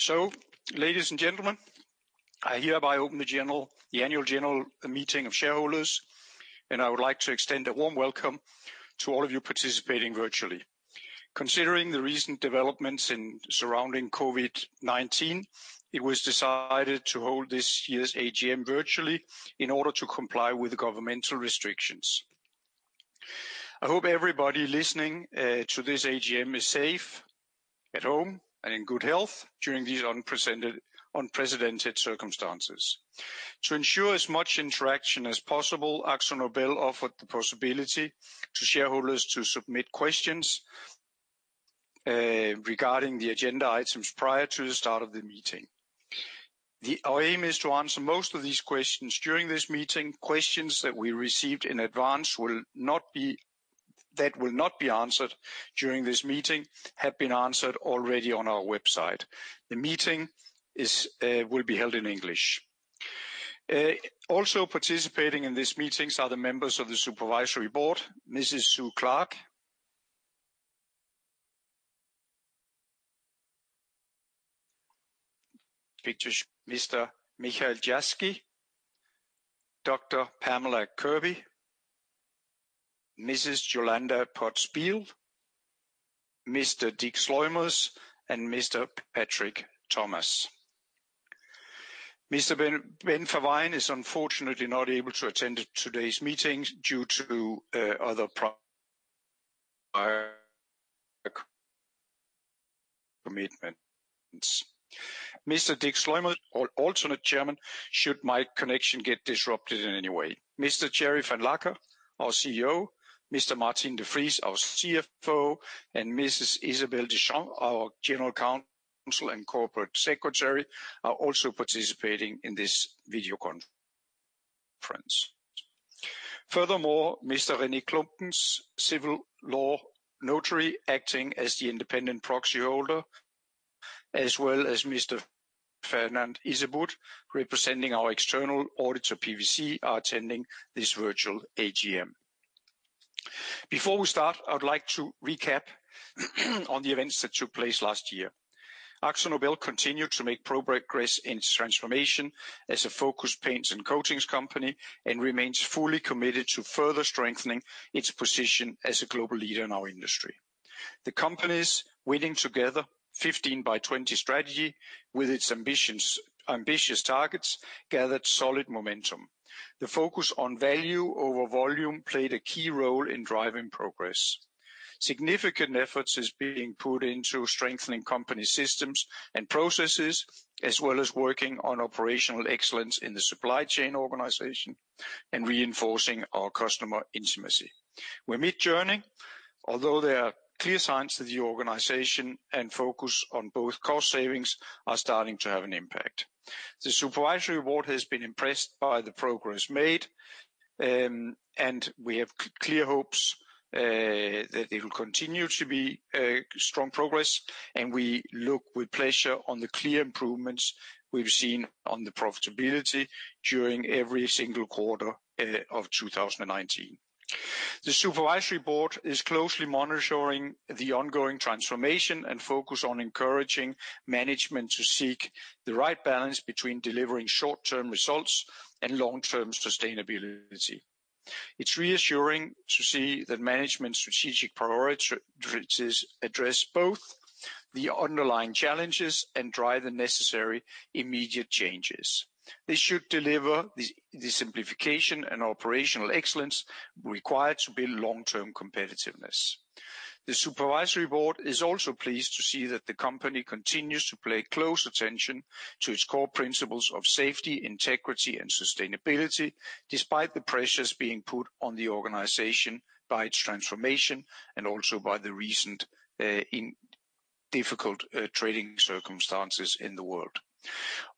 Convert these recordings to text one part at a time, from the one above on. So, ladies and gentlemen, I hereby open the annual general meeting of shareholders, and I would like to extend a warm welcome to all of you participating virtually. Considering the recent developments surrounding COVID-19, it was decided to hold this year's AGM virtually in order to comply with governmental restrictions. I hope everybody listening to this AGM is safe, at home, and in good health during these unprecedented circumstances. To ensure as much interaction as possible, AkzoNobel offered the possibility to shareholders to submit questions regarding the agenda items prior to the start of the meeting. Our aim is to answer most of these questions during this meeting. Questions that we received in advance will not be answered during this meeting have been answered already on our website. The meeting will be held in English. Also participating in this meeting are the members of the Supervisory Board Mrs. Sue Clark, Mr. Michiel Jaski, Dr. Pamela Kirby, Mrs. Jolanda Poots-Bijl, Mr. Dick Sluimers, and Mr. Patrick Thomas. Mr. Ben Verwaayen is unfortunately not able to attend today's meeting due to other commitments. Mr. Dick Sluimers, alternate chairman, should my connection get disrupted in any way. Mr. Thierry Vanlancker, our CEO, Mr. Maarten de Vries, our CFO, and Mrs. Isabelle Deschamps, our general counsel and corporate secretary, are also participating in this video conference. Furthermore, Mr. René Clumpkens, civil law notary acting as the independent proxy holder, as well as Mr. Fernand Izeboud, representing our external auditor, PwC, are attending this virtual AGM. Before we start, I would like to recap on the events that took place last year. AkzoNobel continued to make progress in its transformation as a focused paints and coatings company and remains fully committed to further strengthening its position as a global leader in our industry. The company's Winning together: 15 by 20 strategy with its ambitious targets gathered solid momentum. The focus on value over volume played a key role in driving progress. Significant efforts are being put into strengthening company systems and processes, as well as working on operational excellence in the supply chain organization and reinforcing our customer intimacy. We're mid-journey, although there are clear signs that the organization and focus on both cost savings are starting to have an impact. The Supervisory Board has been impressed by the progress made, and we have clear hopes that it will continue to be strong progress, and we look with pleasure on the clear improvements we've seen on the profitability during every single quarter of 2019. The Supervisory Board is closely monitoring the ongoing transformation and focus on encouraging management to seek the right balance between delivering short-term results and long-term sustainability. It's reassuring to see that management's strategic priorities address both the underlying challenges and drive the necessary immediate changes. They should deliver the simplification and operational excellence required to build long-term competitiveness. The Supervisory Board is also pleased to see that the company continues to pay close attention to its core principles of safety, integrity, and sustainability, despite the pressures being put on the organization by its transformation and also by the recent difficult trading circumstances in the world.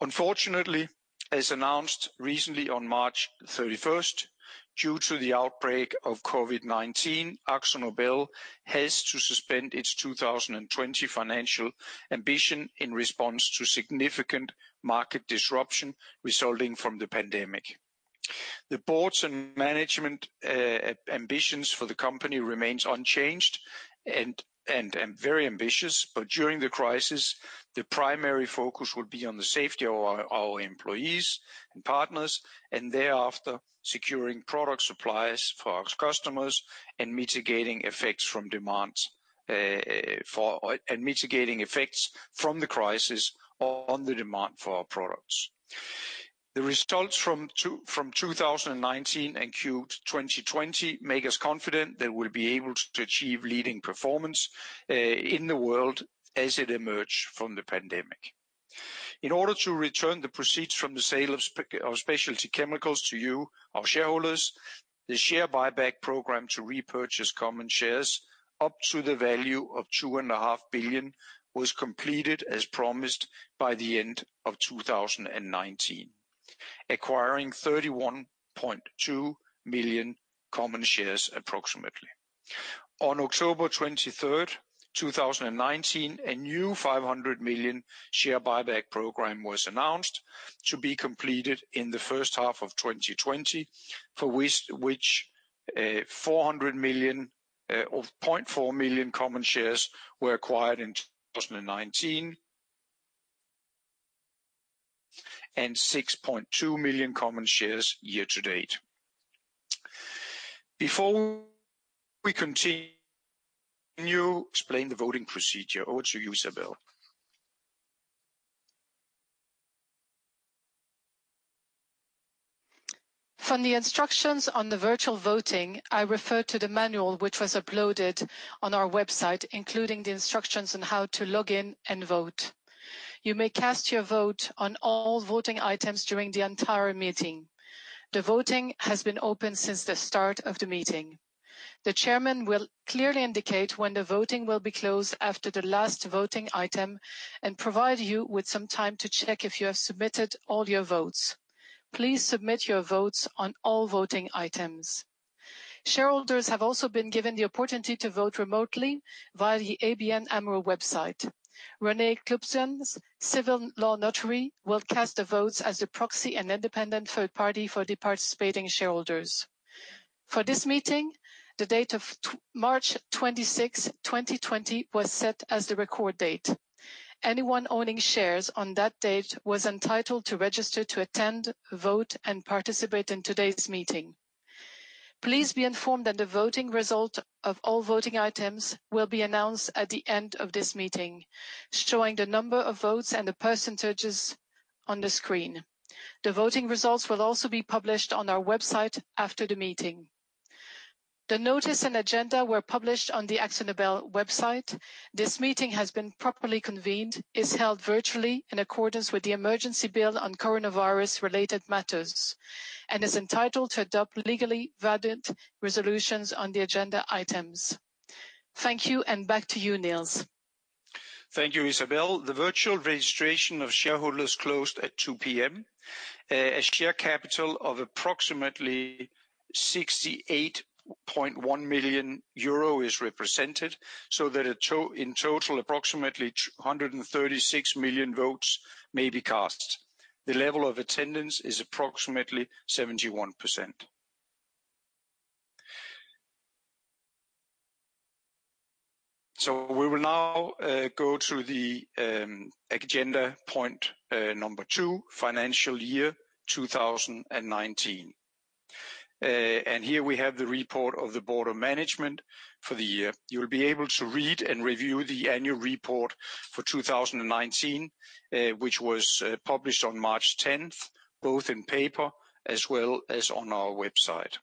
Unfortunately, as announced recently on March 31st, due to the outbreak of COVID-19, AkzoNobel has to suspend its 2020 financial ambition in response to significant market disruption resulting from the pandemic. The board's management ambitions for the company remain unchanged and very ambitious, but during the crisis, the primary focus will be on the safety of our employees and partners, and thereafter securing product supplies for our customers and mitigating effects from demands and mitigating effects from the crisis on the demand for our products. The results from 2019 and Q1 2020 make us confident that we'll be able to achieve leading performance in the world as it emerged from the pandemic. In order to return the proceeds from the sale of specialty chemicals to you, our shareholders, the share buyback program to repurchase common shares up to the value of 2.5 billion was completed as promised by the end of 2019, acquiring 31.2 million common shares approximately. On October 23rd, 2019, a new 500 million share buyback program was announced to be completed in the first half of 2020, for which 400 million worth of 0.4 million common shares were acquired in 2019 and 6.2 million common shares year to date. Before we continue, I'd like to explain the voting procedure. Over to you, Isabelle. From the instructions on the virtual voting, I refer to the manual which was uploaded on our website, including the instructions on how to log in and vote. You may cast your vote on all voting items during the entire meeting. The voting has been open since the start of the meeting. The chairman will clearly indicate when the voting will be closed after the last voting item and provide you with some time to check if you have submitted all your votes. Please submit your votes on all voting items. Shareholders have also been given the opportunity to vote remotely via the ABN AMRO website. René Clumpkens, civil law notary, will cast the votes as the proxy and independent third party for the participating shareholders. For this meeting, the date of March 26, 2020, was set as the record date. Anyone owning shares on that date was entitled to register to attend, vote, and participate in today's meeting. Please be informed that the voting result of all voting items will be announced at the end of this meeting, showing the number of votes and the percentages on the screen. The voting results will also be published on our website after the meeting. The notice and agenda were published on the AkzoNobel website. This meeting has been properly convened, is held virtually in accordance with the emergency bill on coronavirus-related matters, and is entitled to adopt legally valid resolutions on the agenda items. Thank you, and back to you, Nils. Thank you, Isabelle. The virtual registration of shareholders closed at 2:00 P.M. A share capital of approximately 68.1 million euro is represented, so that in total, approximately 136 million votes may be cast. The level of attendance is approximately 71%. So we will now go to the agenda point number two, financial year 2019. And here we have the report of the Board of Management for the year. You'll be able to read and review the annual report for 2019, which was published on March 10th, both in paper as well as on our website.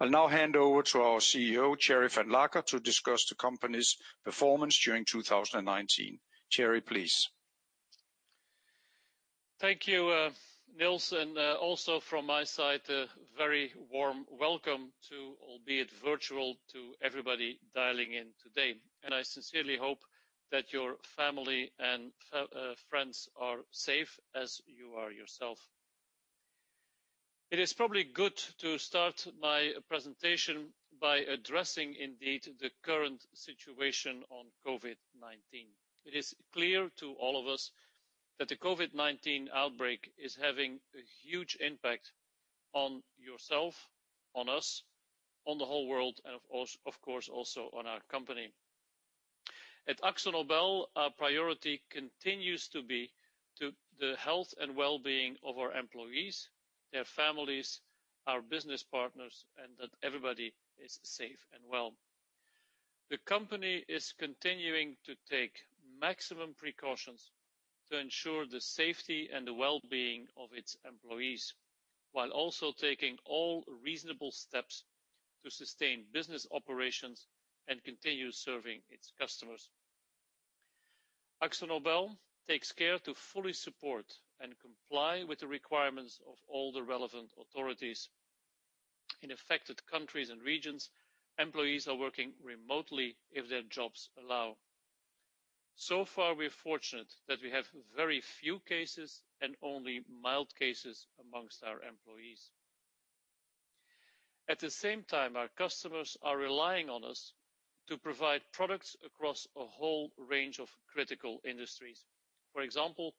I'll now hand over to our CEO, Thierry Vanlancker, to discuss the company's performance during 2019. Thierry, please. Thank you, Nils. And also from my side, a very warm welcome to, albeit virtual, to everybody dialing in today. And I sincerely hope that your family and friends are safe as you are yourself. It is probably good to start my presentation by addressing indeed the current situation on COVID-19. It is clear to all of us that the COVID-19 outbreak is having a huge impact on yourself, on us, on the whole world, and of course also on our company. At AkzoNobel, our priority continues to be the health and well-being of our employees, their families, our business partners, and that everybody is safe and well. The company is continuing to take maximum precautions to ensure the safety and the well-being of its employees, while also taking all reasonable steps to sustain business operations and continue serving its customers. AkzoNobel takes care to fully support and comply with the requirements of all the relevant authorities. In affected countries and regions, employees are working remotely if their jobs allow. So far, we're fortunate that we have very few cases and only mild cases amongst our employees. At the same time, our customers are relying on us to provide products across a whole range of critical industries. For example,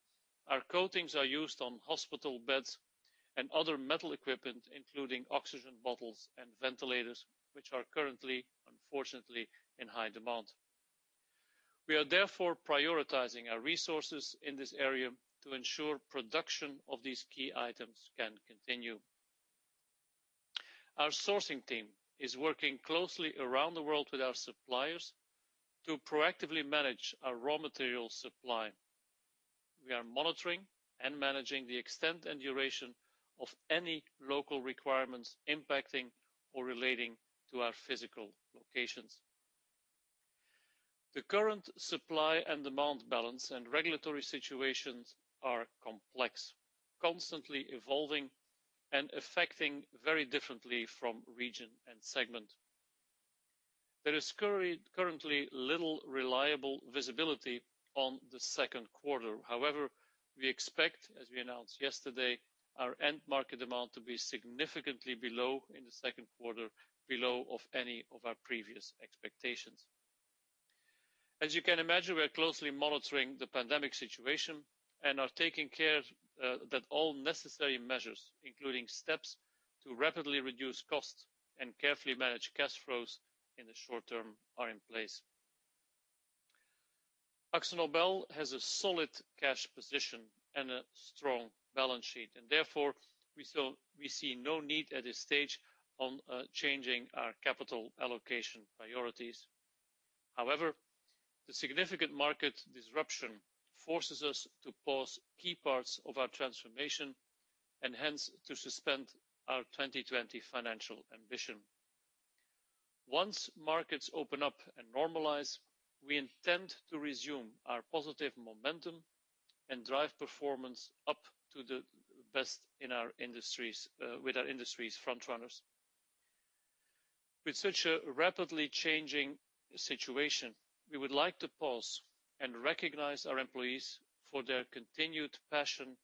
our coatings are used on hospital beds and other metal equipment, including oxygen bottles and ventilators, which are currently, unfortunately, in high demand. We are therefore prioritizing our resources in this area to ensure production of these key items can continue. Our sourcing team is working closely around the world with our suppliers to proactively manage our raw material supply. We are monitoring and managing the extent and duration of any local requirements impacting or relating to our physical locations. The current supply and demand balance and regulatory situations are complex, constantly evolving, and affecting very differently from region and segment. There is currently little reliable visibility on the second quarter. However, we expect, as we announced yesterday, our end market demand to be significantly below in the second quarter, below of any of our previous expectations. As you can imagine, we are closely monitoring the pandemic situation and are taking care that all necessary measures, including steps to rapidly reduce costs and carefully manage cash flows in the short term, are in place. AkzoNobel has a solid cash position and a strong balance sheet, and therefore we see no need at this stage on changing our capital allocation priorities. However, the significant market disruption forces us to pause key parts of our transformation and hence to suspend our 2020 financial ambition. Once markets open up and normalize, we intend to resume our positive momentum and drive performance up to the best in our industries with our industry's frontrunners. With such a rapidly changing situation, we would like to pause and recognize our employees for their continued passion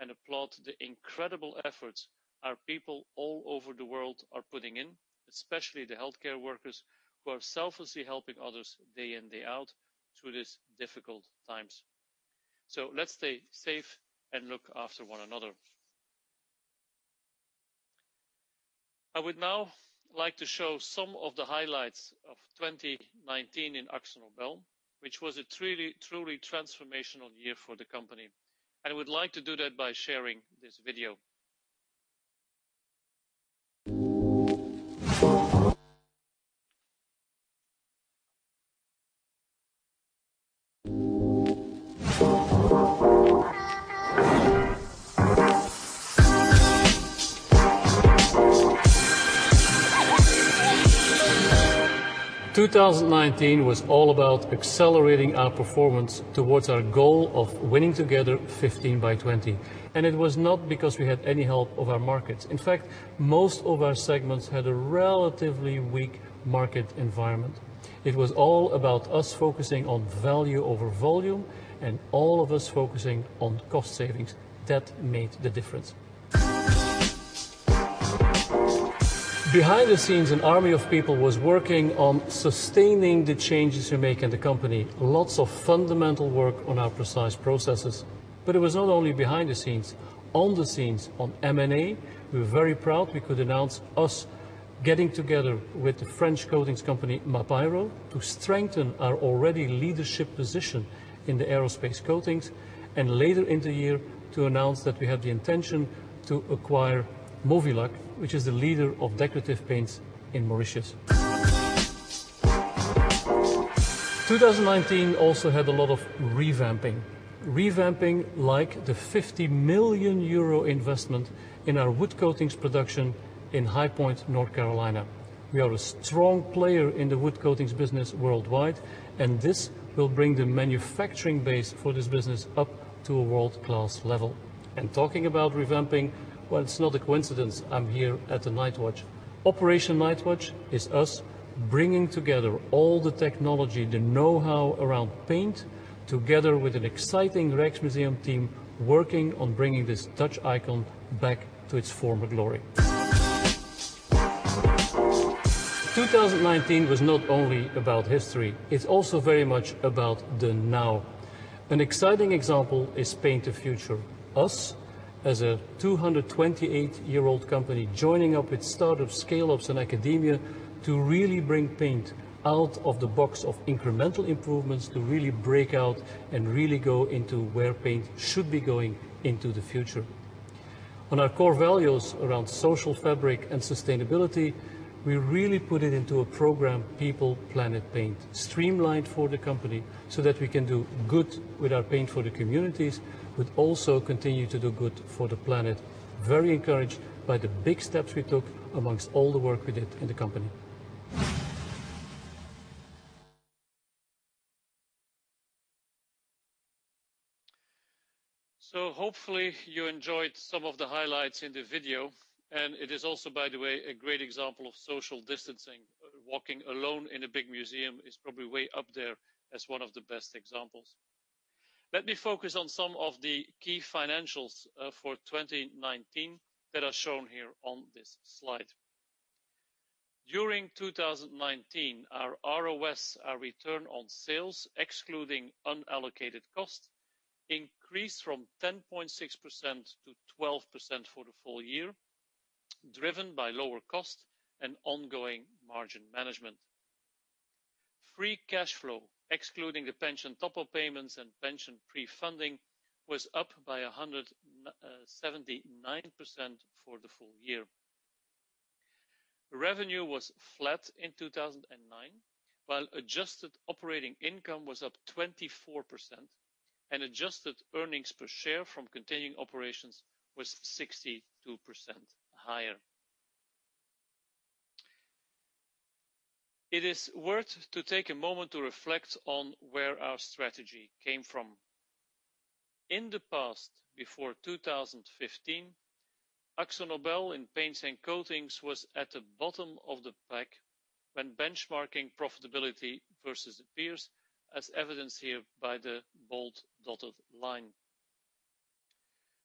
and applaud the incredible efforts our people all over the world are putting in, especially the healthcare workers who are selflessly helping others day in, day out through these difficult times. So let's stay safe and look after one another. I would now like to show some of the highlights of 2019 in AkzoNobel, which was a truly transformational year for the company. And I would like to do that by sharing this video. 2019 was all about accelerating our performance towards our goal of winning together 15 by 20. And it was not because we had any help of our markets. In fact, most of our segments had a relatively weak market environment. It was all about us focusing on value over volume and all of us focusing on cost savings. That made the difference. Behind the scenes, an army of people was working on sustaining the changes we're making in the company. Lots of fundamental work on our precise processes. But it was not only behind the scenes. On the scenes, on M&A, we were very proud we could announce us getting together with the French coatings company Mapaero to strengthen our already leading position in the aerospace coatings and later in the year to announce that we have the intention to acquire Mauvilac, which is the leader of decorative paints in Mauritius. 2019 also had a lot of revamping. Revamping like the 50 million euro investment in our wood coatings production in High Point, North Carolina. We are a strong player in the wood coatings business worldwide, and this will bring the manufacturing base for this business up to a world-class level, and talking about revamping, well, it's not a coincidence I'm here at the Night Watch. Operation Night Watch is us bringing together all the technology, the know-how around paint, together with an exciting Rijksmuseum team working on bringing this Dutch icon back to its former glory. 2019 was not only about history. It's also very much about the now. An exciting example is Paint the Future. Us, as a 228-year-old company joining up with startups, scale-ups, and academia to really bring paint out of the box of incremental improvements to really break out and really go into where paint should be going into the future. On our core values around social fabric and sustainability, we really put it into a program, People. Planet. Paint., streamlined for the company so that we can do good with our paint for the communities, but also continue to do good for the planet, very encouraged by the big steps we took among all the work we did in the company, so hopefully you enjoyed some of the highlights in the video, and it is also, by the way, a great example of social distancing. Walking alone in a big museum is probably way up there as one of the best examples. Let me focus on some of the key financials for 2019 that are shown here on this slide. During 2019, our ROS, our return on sales, excluding unallocated cost, increased from 10.6% to 12% for the full year, driven by lower cost and ongoing margin management. Free cash flow, excluding the pension top-up payments and pension pre-funding, was up by 179% for the full year. Revenue was flat in 2009, while adjusted operating income was up 24%, and adjusted earnings per share from continuing operations was 62% higher. It is worth to take a moment to reflect on where our strategy came from. In the past, before 2015, AkzoNobel in paints and coatings was at the bottom of the pack when benchmarking profitability versus the peers, as evidenced here by the bold dotted line.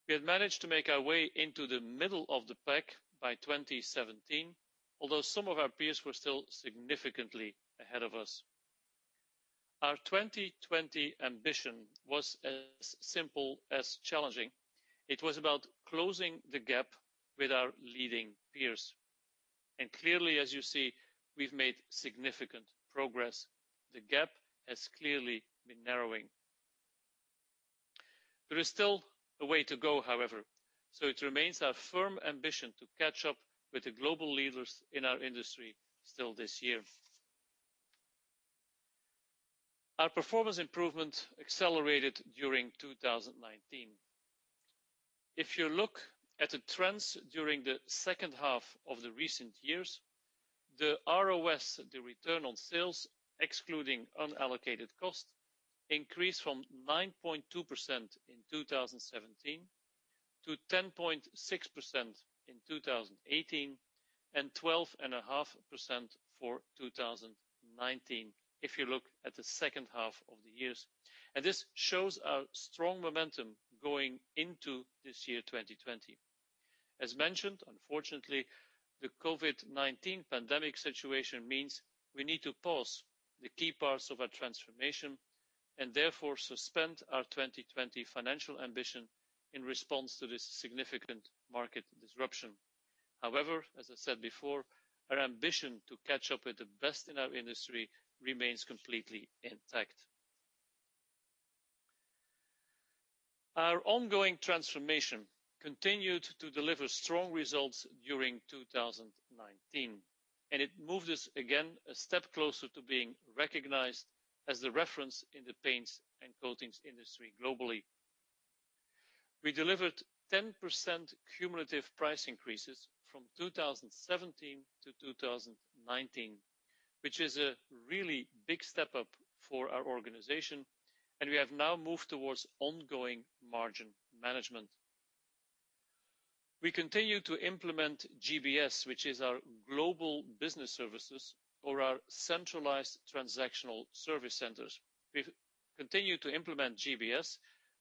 We had managed to make our way into the middle of the pack by 2017, although some of our peers were still significantly ahead of us. Our 2020 ambition was as simple as challenging. It was about closing the gap with our leading peers. Clearly, as you see, we've made significant progress. The gap has clearly been narrowing. There is still a way to go, however. So it remains our firm ambition to catch up with the global leaders in our industry still this year. Our performance improvement accelerated during 2019. If you look at the trends during the second half of the recent years, the ROS, the return on sales, excluding unallocated cost, increased from 9.2% in 2017 to 10.6% in 2018 and 12.5% for 2019 if you look at the second half of the years. And this shows our strong momentum going into this year 2020. As mentioned, unfortunately, the COVID-19 pandemic situation means we need to pause the key parts of our transformation and therefore suspend our 2020 financial ambition in response to this significant market disruption. However, as I said before, our ambition to catch up with the best in our industry remains completely intact. Our ongoing transformation continued to deliver strong results during 2019, and it moved us again a step closer to being recognized as the reference in the paints and coatings industry globally. We delivered 10% cumulative price increases from 2017 to 2019, which is a really big step up for our organization, and we have now moved towards ongoing margin management. We continue to implement GBS, which is our global business services or our centralized transactional service centers. We've continued to implement GBS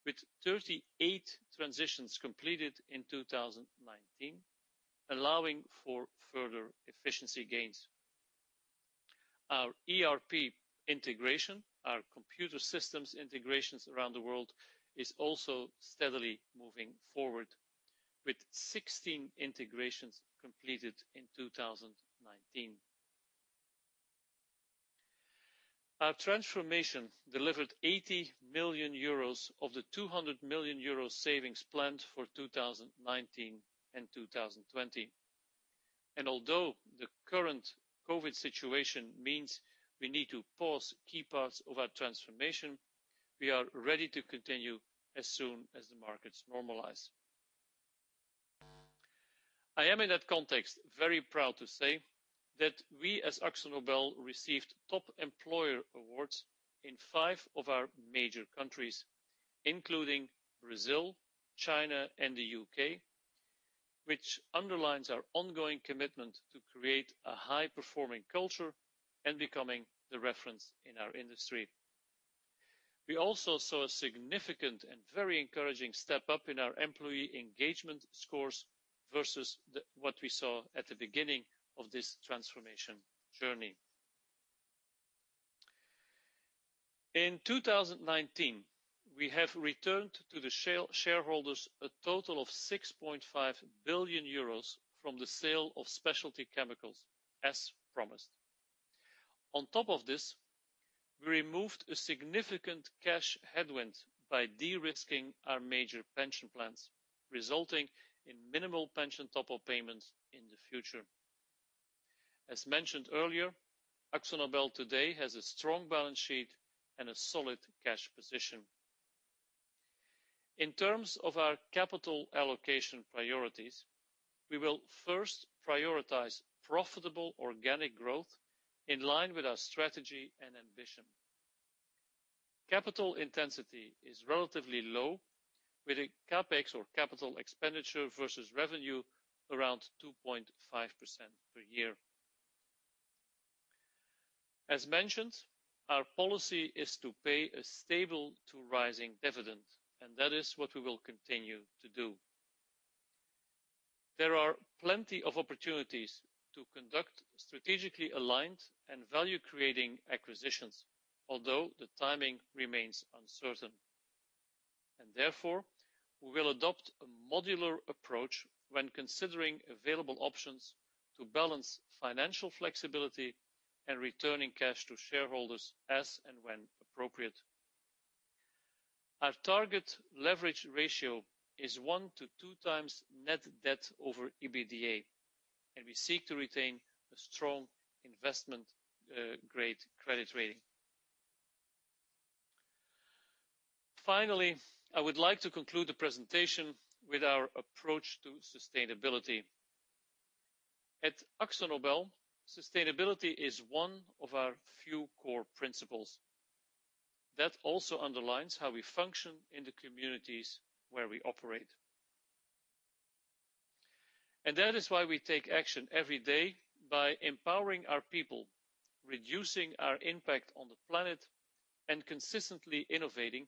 with 38 transitions completed in 2019, allowing for further efficiency gains. Our ERP integration, our computer systems integrations around the world, is also steadily moving forward with 16 integrations completed in 2019. Our transformation delivered EUR 80 million of the 200 million euro savings planned for 2019 and 2020. Although the current COVID situation means we need to pause key parts of our transformation, we are ready to continue as soon as the markets normalize. I am, in that context, very proud to say that we as AkzoNobel received top employer awards in five of our major countries, including Brazil, China, and the U.K., which underlines our ongoing commitment to create a high-performing culture and becoming the reference in our industry. We also saw a significant and very encouraging step up in our employee engagement scores versus what we saw at the beginning of this transformation journey. In 2019, we have returned to the shareholders a total of 6.5 billion euros from the sale of specialty chemicals, as promised. On top of this, we removed a significant cash headwind by de-risking our major pension plans, resulting in minimal pension top-up payments in the future. As mentioned earlier, AkzoNobel today has a strong balance sheet and a solid cash position. In terms of our capital allocation priorities, we will first prioritize profitable organic growth in line with our strategy and ambition. Capital intensity is relatively low, with a CapEx or capital expenditure versus revenue around 2.5% per year. As mentioned, our policy is to pay a stable to rising dividend, and that is what we will continue to do. There are plenty of opportunities to conduct strategically aligned and value-creating acquisitions, although the timing remains uncertain, and therefore, we will adopt a modular approach when considering available options to balance financial flexibility and returning cash to shareholders as and when appropriate. Our target leverage ratio is one-two times net debt over EBITDA, and we seek to retain a strong investment-grade credit rating. Finally, I would like to conclude the presentation with our approach to sustainability. At AkzoNobel, sustainability is one of our few core principles. That also underlines how we function in the communities where we operate, and that is why we take action every day by empowering our people, reducing our impact on the planet, and consistently innovating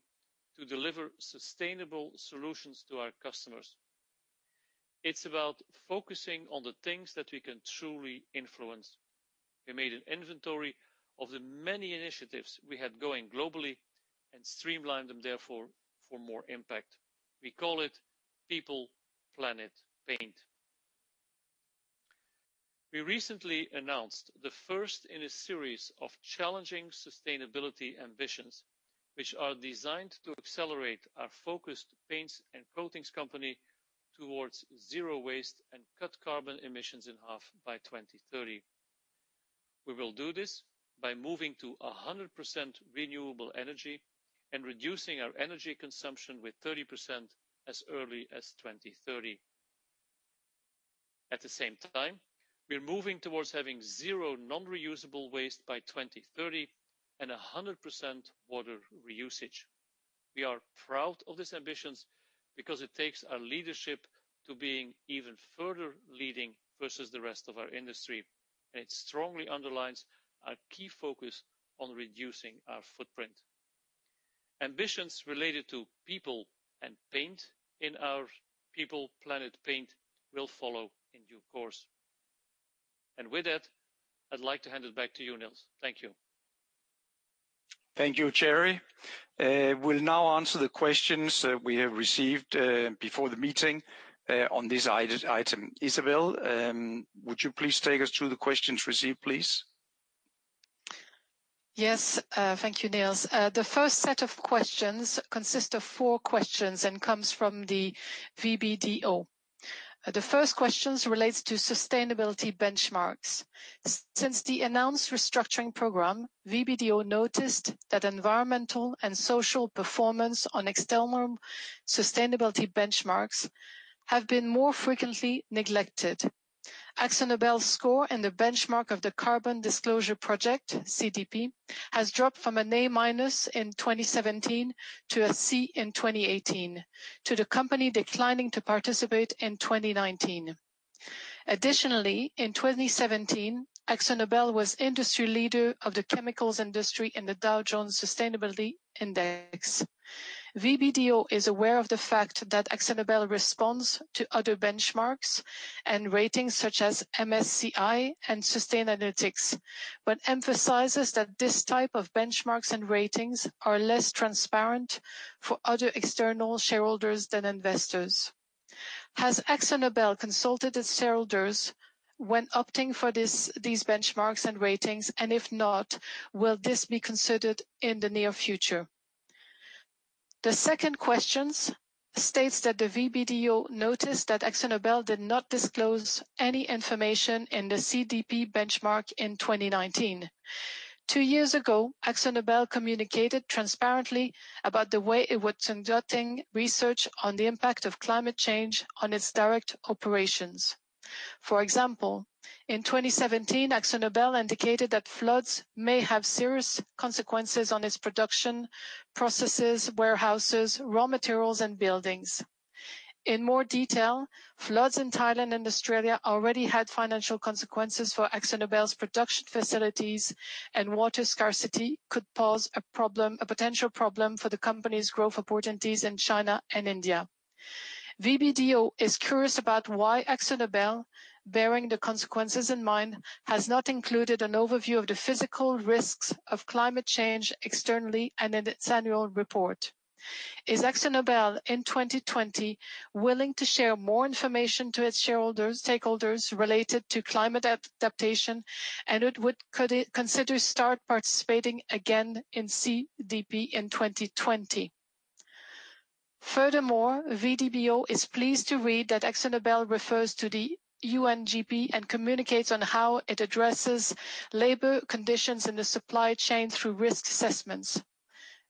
to deliver sustainable solutions to our customers. It's about focusing on the things that we can truly influence. We made an inventory of the many initiatives we had going globally and streamlined them, therefore, for more impact. We call it People. Planet. Paint. We recently announced the first in a series of challenging sustainability ambitions, which are designed to accelerate our focused paints and coatings company towards zero waste and cut carbon emissions in half by 2030. We will do this by moving to 100% renewable energy and reducing our energy consumption with 30% as early as 2030. At the same time, we're moving towards having zero non-reusable waste by 2030 and 100% water reusage. We are proud of these ambitions because it takes our leadership to being even further leading versus the rest of our industry, and it strongly underlines our key focus on reducing our footprint. Ambitions related to people and paint in our People. Planet. Paint. will follow in due course, and with that, I'd like to hand it back to you, Nils. Thank you. Thank you, Thierry. We'll now answer the questions that we have received before the meeting on this item. Isabelle, would you please take us through the questions received, please? Yes, thank you, Nils. The first set of questions consists of four questions and comes from the VBDO. The first question relates to sustainability benchmarks. Since the announced restructuring program, VBDO noticed that environmental and social performance on external sustainability benchmarks have been more frequently neglected. AkzoNobel's score in the benchmark of the Carbon Disclosure Project, CDP, has dropped from an A- in 2017 to a C in 2018, to the company declining to participate in 2019. Additionally, in 2017, AkzoNobel was industry leader of the chemicals industry in the Dow Jones Sustainability Index. VBDO is aware of the fact that AkzoNobel responds to other benchmarks and ratings such as MSCI and Sustainalytics, but emphasizes that this type of benchmarks and ratings are less transparent for other external shareholders than investors. Has AkzoNobel consulted its shareholders when opting for these benchmarks and ratings, and if not, will this be considered in the near future? The second question states that the VBDO noticed that AkzoNobel did not disclose any information in the CDP benchmark in 2019. Two years ago, AkzoNobel communicated transparently about the way it was conducting research on the impact of climate change on its direct operations. For example, in 2017, AkzoNobel indicated that floods may have serious consequences on its production, processes, warehouses, raw materials, and buildings. In more detail, floods in Thailand and Australia already had financial consequences for AkzoNobel's production facilities, and water scarcity could pose a potential problem for the company's growth opportunities in China and India. VBDO is curious about why AkzoNobel, bearing the consequences in mind, has not included an overview of the physical risks of climate change externally and in its annual report. Is AkzoNobel, in 2020, willing to share more information to its shareholders related to climate adaptation, and would consider starting participating again in CDP in 2020? Furthermore, VBDO is pleased to read that AkzoNobel refers to the UNGP and communicates on how it addresses labor conditions in the supply chain through risk assessments.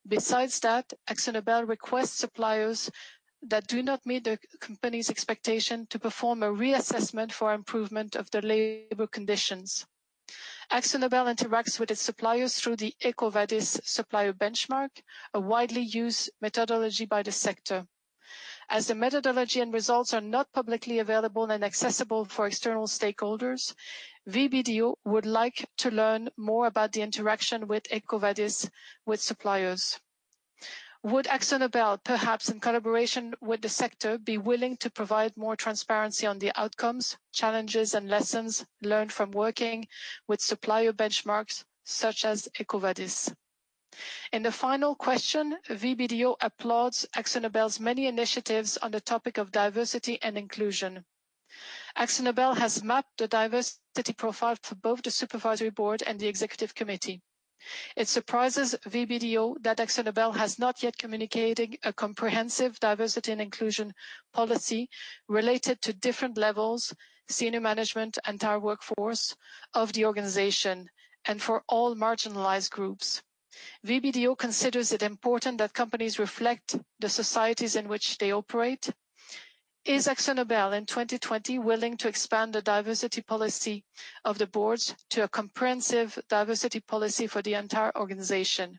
Besides that, AkzoNobel requests suppliers that do not meet the company's expectation to perform a reassessment for improvement of the labor conditions. AkzoNobel interacts with its suppliers through the EcoVadis supplier benchmark, a widely used methodology by the sector. As the methodology and results are not publicly available and accessible for external stakeholders, VBDO would like to learn more about the interaction with EcoVadis with suppliers. Would AkzoNobel, perhaps in collaboration with the sector, be willing to provide more transparency on the outcomes, challenges, and lessons learned from working with supplier benchmarks such as EcoVadis? In the final question, VBDO applauds AkzoNobel's many initiatives on the topic of diversity and inclusion. AkzoNobel has mapped the diversity profile for both the Supervisory Board and the Executive Committee. It surprises VBDO that AkzoNobel has not yet communicated a comprehensive diversity and inclusion policy related to different levels, senior management, and our workforce of the organization, and for all marginalized groups. VBDO considers it important that companies reflect the societies in which they operate. Is AkzoNobel in 2020 willing to expand the diversity policy of the boards to a comprehensive diversity policy for the entire organization?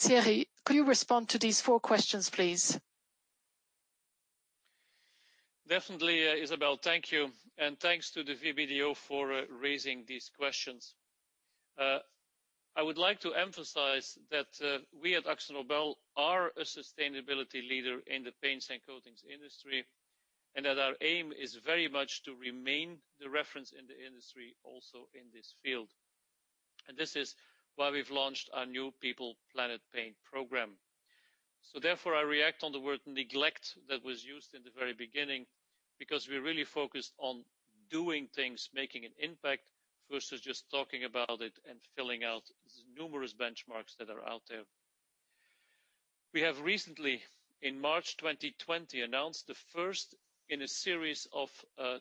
Thierry, could you respond to these four questions, please? Definitely, Isabelle, thank you. Thanks to the VBDO for raising these questions. I would like to emphasize that we at AkzoNobel are a sustainability leader in the paints and coatings industry, and that our aim is very much to remain the reference in the industry, also in this field. This is why we've launched our new People. Planet. Paint. program. Therefore, I react on the word neglect that was used in the very beginning because we really focused on doing things, making an impact versus just talking about it and filling out numerous benchmarks that are out there. We have recently, in March 2020, announced the first in a series of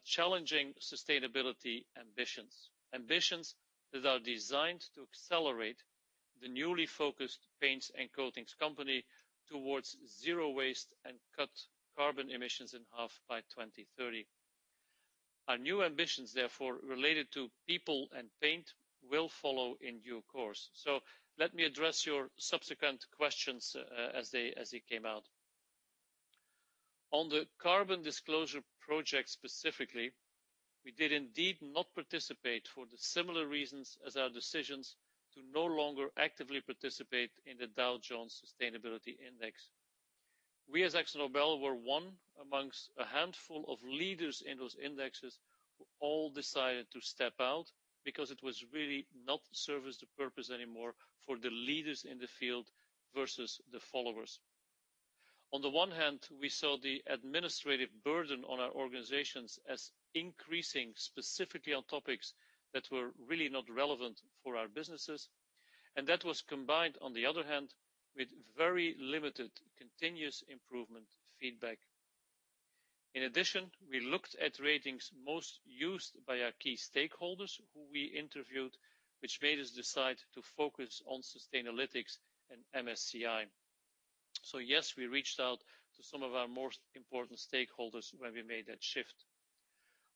challenging sustainability ambitions, ambitions that are designed to accelerate the newly focused paints and coatings company towards zero waste and cut carbon emissions in half by 2030. Our new ambitions, therefore, related to people and paint will follow in due course. So let me address your subsequent questions as they came out. On the Carbon Disclosure Project specifically, we did indeed not participate for the similar reasons as our decisions to no longer actively participate in the Dow Jones Sustainability Index. We as AkzoNobel were one amongst a handful of leaders in those indexes who all decided to step out because it was really not serviced the purpose anymore for the leaders in the field versus the followers. On the one hand, we saw the administrative burden on our organizations as increasing specifically on topics that were really not relevant for our businesses, and that was combined, on the other hand, with very limited continuous improvement feedback. In addition, we looked at ratings most used by our key stakeholders who we interviewed, which made us decide to focus on sustainability and MSCI. So yes, we reached out to some of our most important stakeholders when we made that shift.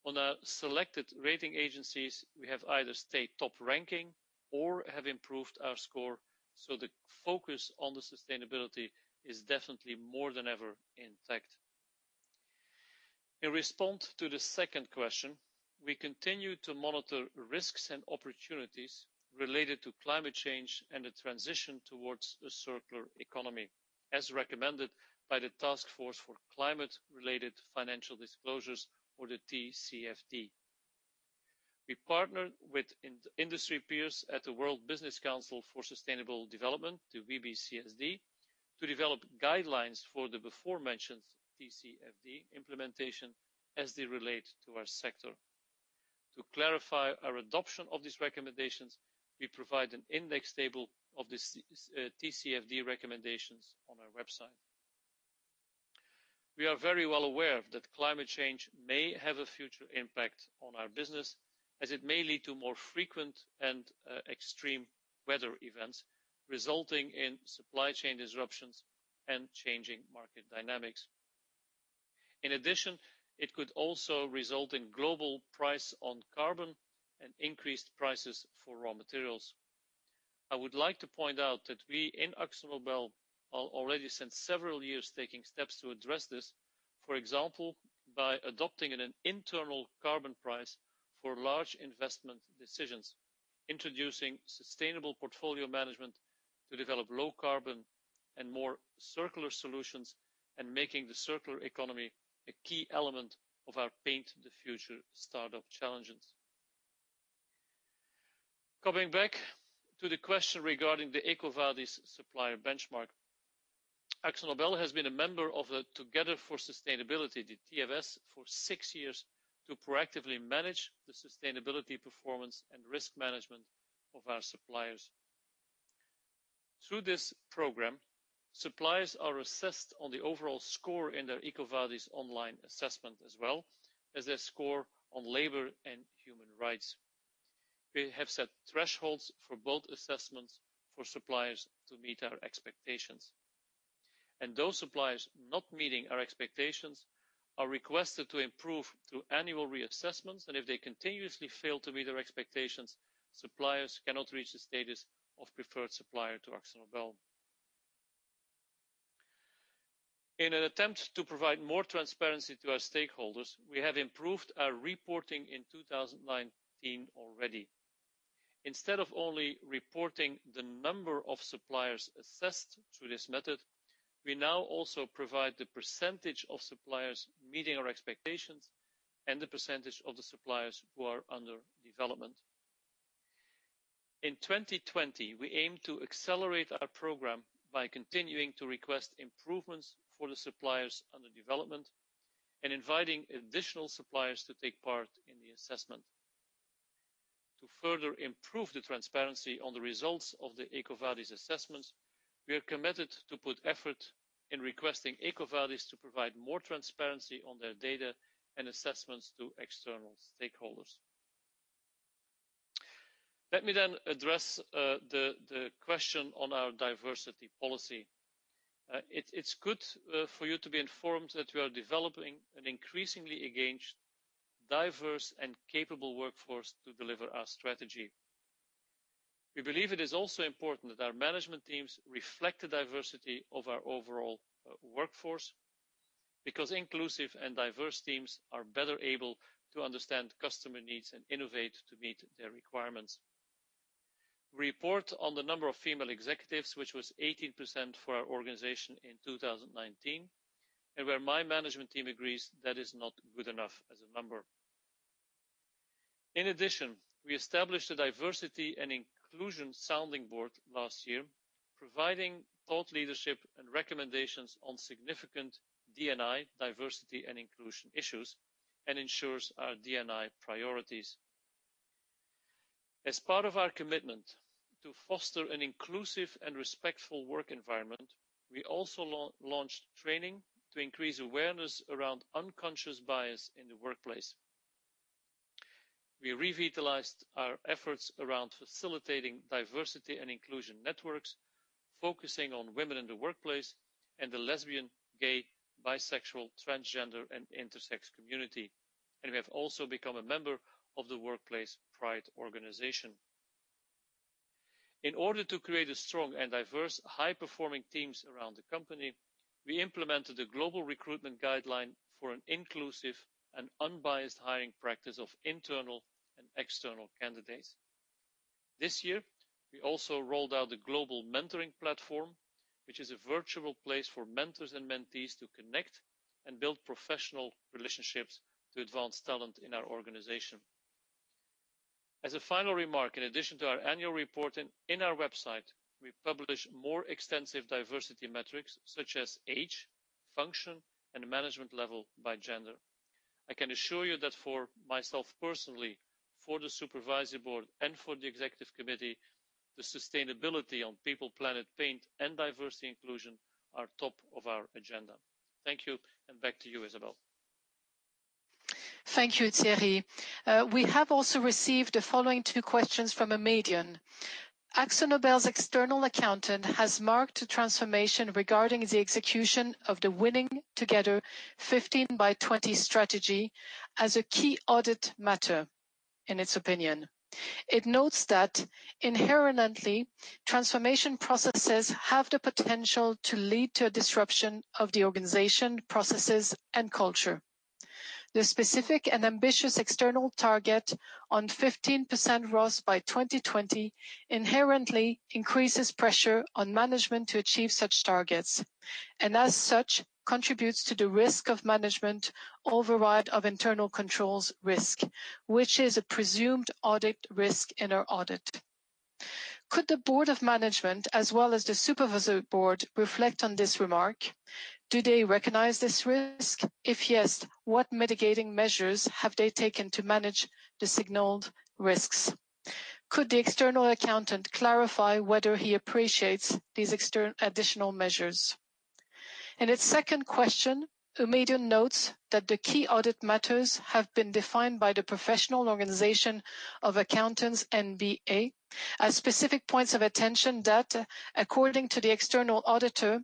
On our selected rating agencies, we have either stayed top-ranking or have improved our score, so the focus on the sustainability is definitely more than ever intact. In response to the second question, we continue to monitor risks and opportunities related to climate change and the transition towards a circular economy, as recommended by the Task Force for Climate-Related Financial Disclosures, or the TCFD. We partnered with industry peers at the World Business Council for Sustainable Development, the WBCSD, to develop guidelines for the before-mentioned TCFD implementation as they relate to our sector. To clarify our adoption of these recommendations, we provide an index table of the TCFD recommendations on our website. We are very well aware that climate change may have a future impact on our business, as it may lead to more frequent and extreme weather events resulting in supply chain disruptions and changing market dynamics. In addition, it could also result in global price on carbon and increased prices for raw materials. I would like to point out that we in AkzoNobel have already spent several years taking steps to address this, for example, by adopting an internal carbon price for large investment decisions, introducing sustainable portfolio management to develop low-carbon and more circular solutions, and making the circular economy a key element of our Paint the Future startup challenges. Coming back to the question regarding the EcoVadis supplier benchmark, AkzoNobel has been a member of the Together for Sustainability, the TfS, for six years to proactively manage the sustainability performance and risk management of our suppliers. Through this program, suppliers are assessed on the overall score in their EcoVadis online assessment as well as their score on labor and human rights. We have set thresholds for both assessments for suppliers to meet our expectations, and those suppliers not meeting our expectations are requested to improve through annual reassessments, and if they continuously fail to meet our expectations, suppliers cannot reach the status of preferred supplier to AkzoNobel. In an attempt to provide more transparency to our stakeholders, we have improved our reporting in 2019 already. Instead of only reporting the number of suppliers assessed through this method, we now also provide the percentage of suppliers meeting our expectations and the percentage of the suppliers who are under development. In 2020, we aimed to accelerate our program by continuing to request improvements for the suppliers under development and inviting additional suppliers to take part in the assessment. To further improve the transparency on the results of the EcoVadis assessments, we are committed to put effort in requesting EcoVadis to provide more transparency on their data and assessments to external stakeholders. Let me then address the question on our diversity policy. It's good for you to be informed that we are developing an increasingly engaged, diverse, and capable workforce to deliver our strategy. We believe it is also important that our management teams reflect the diversity of our overall workforce because inclusive and diverse teams are better able to understand customer needs and innovate to meet their requirements. We report on the number of female executives, which was 18% for our organization in 2019, and where my management team agrees that is not good enough as a number. In addition, we established a diversity and inclusion sounding board last year, providing thought leadership and recommendations on significant D&I diversity and inclusion issues and ensures our D&I priorities. As part of our commitment to foster an inclusive and respectful work environment, we also launched training to increase awareness around unconscious bias in the workplace. We revitalized our efforts around facilitating diversity and inclusion networks, focusing on women in the workplace and the lesbian, gay, bisexual, transgender, and intersex community. We have also become a member of the Workplace Pride organization. In order to create a strong and diverse, high-performing team around the company, we implemented the global recruitment guideline for an inclusive and unbiased hiring practice of internal and external candidates. This year, we also rolled out the global mentoring platform, which is a virtual place for mentors and mentees to connect and build professional relationships to advance talent in our organization. As a final remark, in addition to our annual reporting in our website, we publish more extensive diversity metrics such as age, function, and management level by gender. I can assure you that for myself personally, for the Supervisory Board and for the Executive Committee, the sustainability on People, Planet, Paint, and Diversity Inclusion are top of our agenda. Thank you, and back to you, Isabelle. Thank you, Thierry. We have also received the following two questions from Eumedion. AkzoNobel's external accountant has marked the transformation regarding the execution of the Winning together: 15 by 20 strategy as a key audit matter, in its opinion. It notes that inherently, transformation processes have the potential to lead to a disruption of the organization, processes, and culture. The specific and ambitious external target on 15% ROS by 2020 inherently increases pressure on management to achieve such targets and, as such, contributes to the risk of management override of internal controls risk, which is a presumed audit risk in our audit. Could the board of management, as well as the supervisory board, reflect on this remark? Do they recognize this risk? If yes, what mitigating measures have they taken to manage the signaled risks? Could the external accountant clarify whether he appreciates these additional measures? In its second question, Eumedion notes that the key audit matters have been defined by the professional organization of accountants NBA as specific points of attention that, according to the external auditor,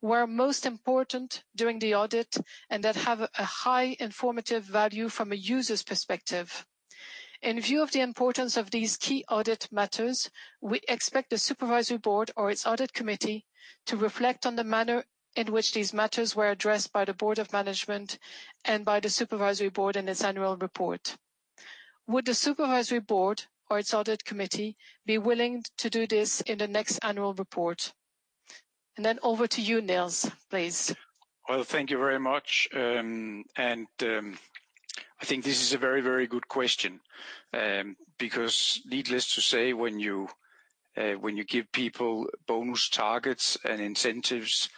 were most important during the audit and that have a high informative value from a user's perspective. In view of the importance of these key audit matters, we expect the Supervisory Board or its Audit Committee to reflect on the manner in which these matters were addressed by the board of management and by the Supervisory Board in its annual report. Would the Supervisory Board or its Audit Committee be willing to do this in the next annual report? And then over to you, Nils, please. Well, thank you very much. And I think this is a very, very good question because needless to say, when you give people bonus targets and incentives,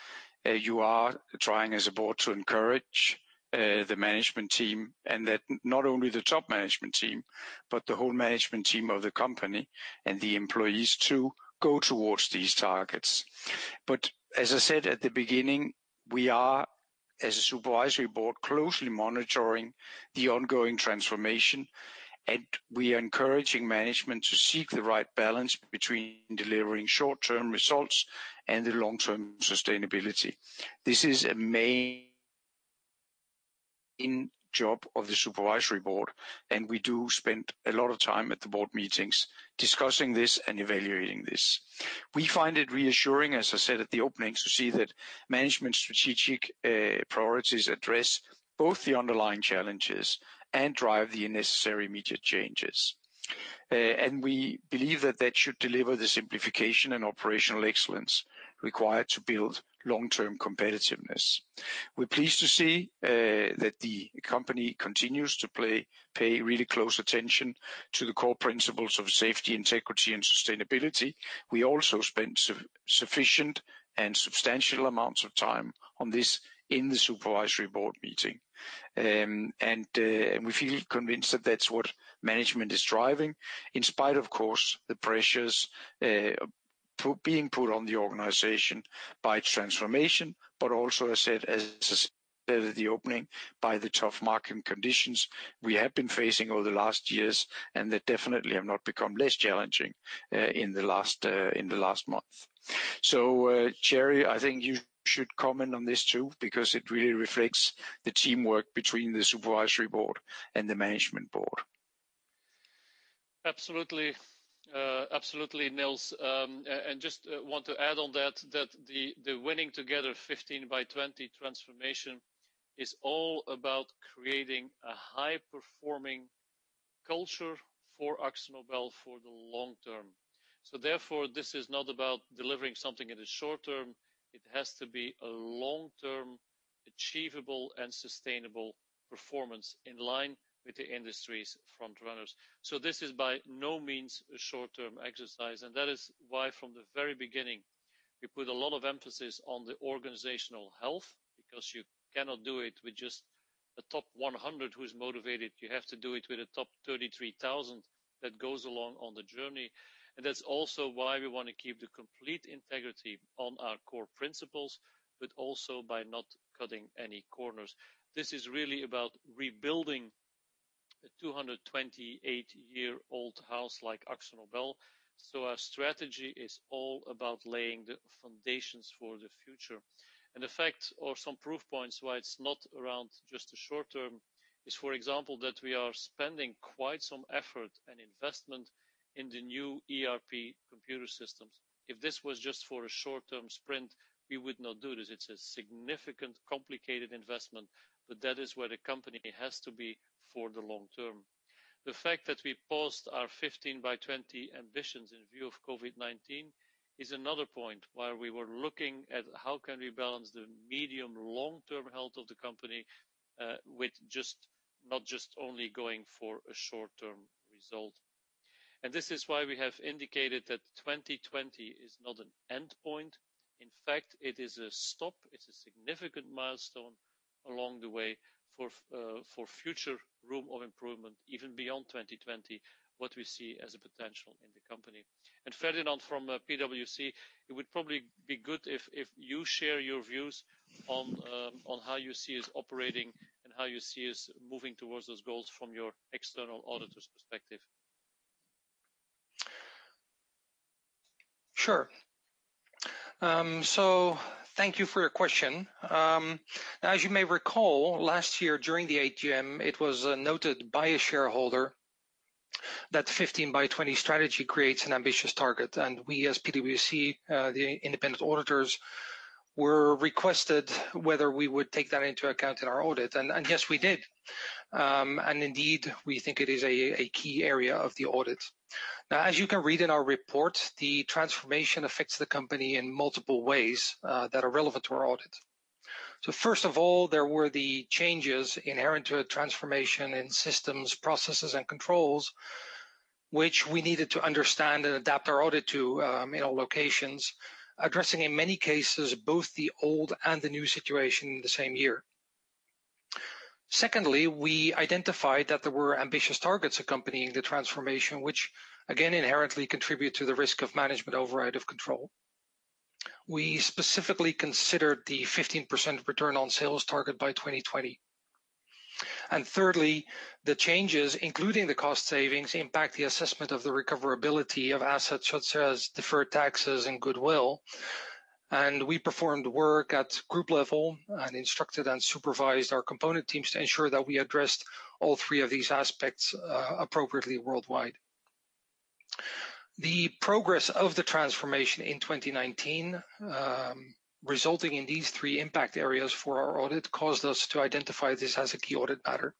you are trying, as a board, to encourage the management team and that not only the top management team, but the whole management team of the company and the employees to go towards these targets. But as I said at the beginning, we are, as a Supervisory Board, closely monitoring the ongoing transformation, and we are encouraging management to seek the right balance between delivering short-term results and the long-term sustainability. This is a main job of the Supervisory Board, and we do spend a lot of time at the board meetings discussing this and evaluating this. We find it reassuring, as I said at the opening, to see that management's strategic priorities address both the underlying challenges and drive the necessary immediate changes. And we believe that that should deliver the simplification and operational excellence required to build long-term competitiveness. We're pleased to see that the company continues to pay really close attention to the core principles of safety, integrity, and sustainability. We also spent sufficient and substantial amounts of time on this in the Supervisory Board meeting. And we feel convinced that that's what management is driving, in spite, of course, of the pressures being put on the organization by transformation, but also, as I said at the opening, by the tough marketing conditions we have been facing over the last years, and that definitely have not become less challenging in the last month. So, Thierry, I think you should comment on this too because it really reflects the teamwork between the Supervisory Board and the Management Board. Absolutely. Absolutely, Nils. And just want to add on that, that the Winning Together 15 by 20 transformation is all about creating a high-performing culture for AkzoNobel for the long term. So, therefore, this is not about delivering something in the short term. It has to be a long-term, achievable, and sustainable performance in line with the industry's front runners. So this is by no means a short-term exercise. And that is why, from the very beginning, we put a lot of emphasis on the organizational health because you cannot do it with just a top 100 who's motivated. You have to do it with a top 33,000 that goes along on the journey. And that's also why we want to keep the complete integrity on our core principles, but also by not cutting any corners. This is really about rebuilding a 228-year-old house like AkzoNobel. So our strategy is all about laying the foundations for the future. And the fact, or some proof points, why it's not around just the short term is, for example, that we are spending quite some effort and investment in the new ERP computer systems. If this was just for a short-term sprint, we would not do this. It's a significant, complicated investment, but that is where the company has to be for the long term. The fact that we paused our 15 by 20 ambitions in view of COVID-19 is another point where we were looking at how can we balance the medium-long-term health of the company with just not just only going for a short-term result. And this is why we have indicated that 2020 is not an end point. In fact, it is a stop. It's a significant milestone along the way for future room of improvement, even beyond 2020, what we see as a potential in the company. And Fernand from PwC, it would probably be good if you share your views on how you see us operating and how you see us moving towards those goals from your external auditor's perspective. Sure. So thank you for your question. As you may recall, last year during the AGM, it was noted by a shareholder that the 15 by 20 strategy creates an ambitious target. And we, as PwC, the independent auditors, were requested whether we would take that into account in our audit. And yes, we did. And indeed, we think it is a key area of the audit. Now, as you can read in our report, the transformation affects the company in multiple ways that are relevant to our audit. So first of all, there were the changes inherent to a transformation in systems, processes, and controls, which we needed to understand and adapt our audit to in all locations, addressing, in many cases, both the old and the new situation in the same year. Secondly, we identified that there were ambitious targets accompanying the transformation, which, again, inherently contribute to the risk of management override of control. We specifically considered the 15% return on sales target by 2020. And thirdly, the changes, including the cost savings, impact the assessment of the recoverability of assets such as deferred taxes and goodwill. And we performed work at group level and instructed and supervised our component teams to ensure that we addressed all three of these aspects appropriately worldwide. The progress of the transformation in 2019, resulting in these three impact areas for our audit, caused us to identify this as a key audit matter.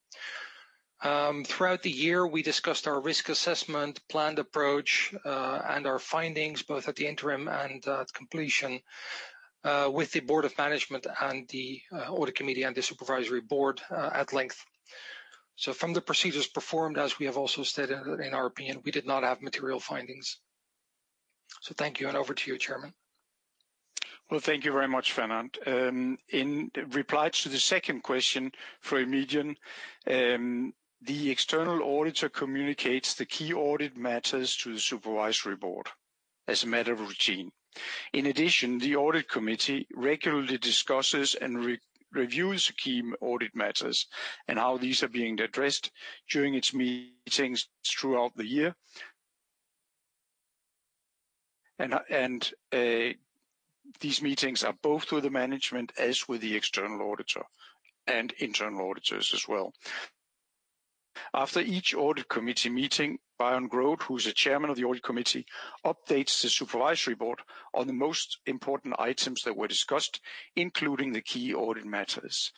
Throughout the year, we discussed our risk assessment, planned approach, and our findings, both at the interim and at completion, with the board of management and the audit committee and the supervisory board at length, so from the procedures performed, as we have also stated in our opinion, we did not have material findings, so thank you, and over to you, Chairman. Well, thank you very much, Fernand. In reply to the second question from Eumedion, the external auditor communicates the key audit matters to the supervisory board as a matter of routine. In addition, the audit committee regularly discusses and reviews key audit matters and how these are being addressed during its meetings throughout the year. These meetings are both with the management as with the external auditor and internal auditors as well. After each audit committee meeting, Byron Grote, who is a chairman of the audit committee, updates the supervisory board on the most important items that were discussed, including the key audit matters.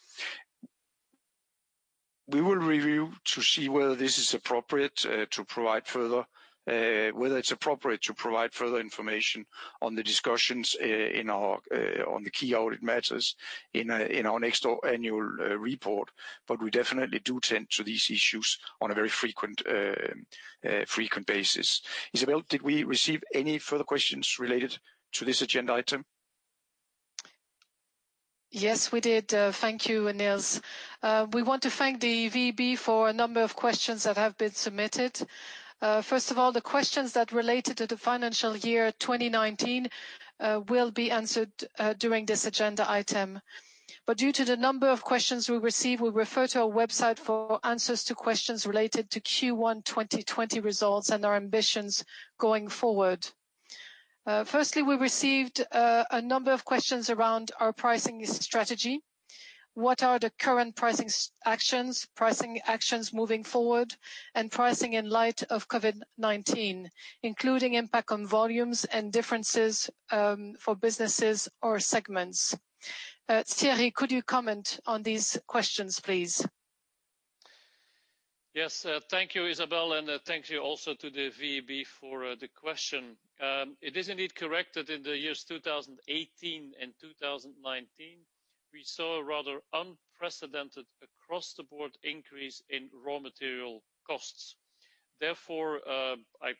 We will review to see whether this is appropriate to provide further, whether it's appropriate to provide further information on the discussions on the key audit matters in our next annual report. But we definitely do tend to these issues on a very frequent basis. Isabelle, did we receive any further questions related to this agenda item? Yes, we did. Thank you, Nils. We want to thank the VEB for a number of questions that have been submitted. First of all, the questions that related to the financial year 2019 will be answered during this agenda item. But due to the number of questions we received, we'll refer to our website for answers to questions related to Q1 2020 results and our ambitions going forward. Firstly, we received a number of questions around our pricing strategy. What are the current pricing actions, pricing actions moving forward, and pricing in light of COVID-19, including impact on volumes and differences for businesses or segments? Thierry, could you comment on these questions, please? Yes, thank you, Isabelle, and thank you also to the VEB for the question. It is indeed correct that in the years 2018 and 2019, we saw a rather unprecedented across-the-board increase in raw material costs. Therefore, I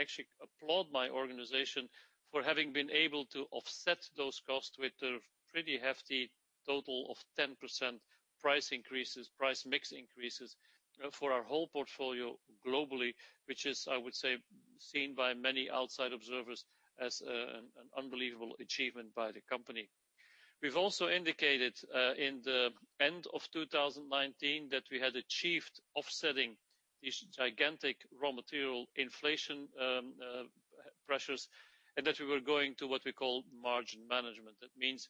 actually applaud my organization for having been able to offset those costs with a pretty hefty total of 10% price increases, price mix increases for our whole portfolio globally, which is, I would say, seen by many outside observers as an unbelievable achievement by the company. We've also indicated in the end of 2019 that we had achieved offsetting these gigantic raw material inflation pressures and that we were going to what we call margin management. That means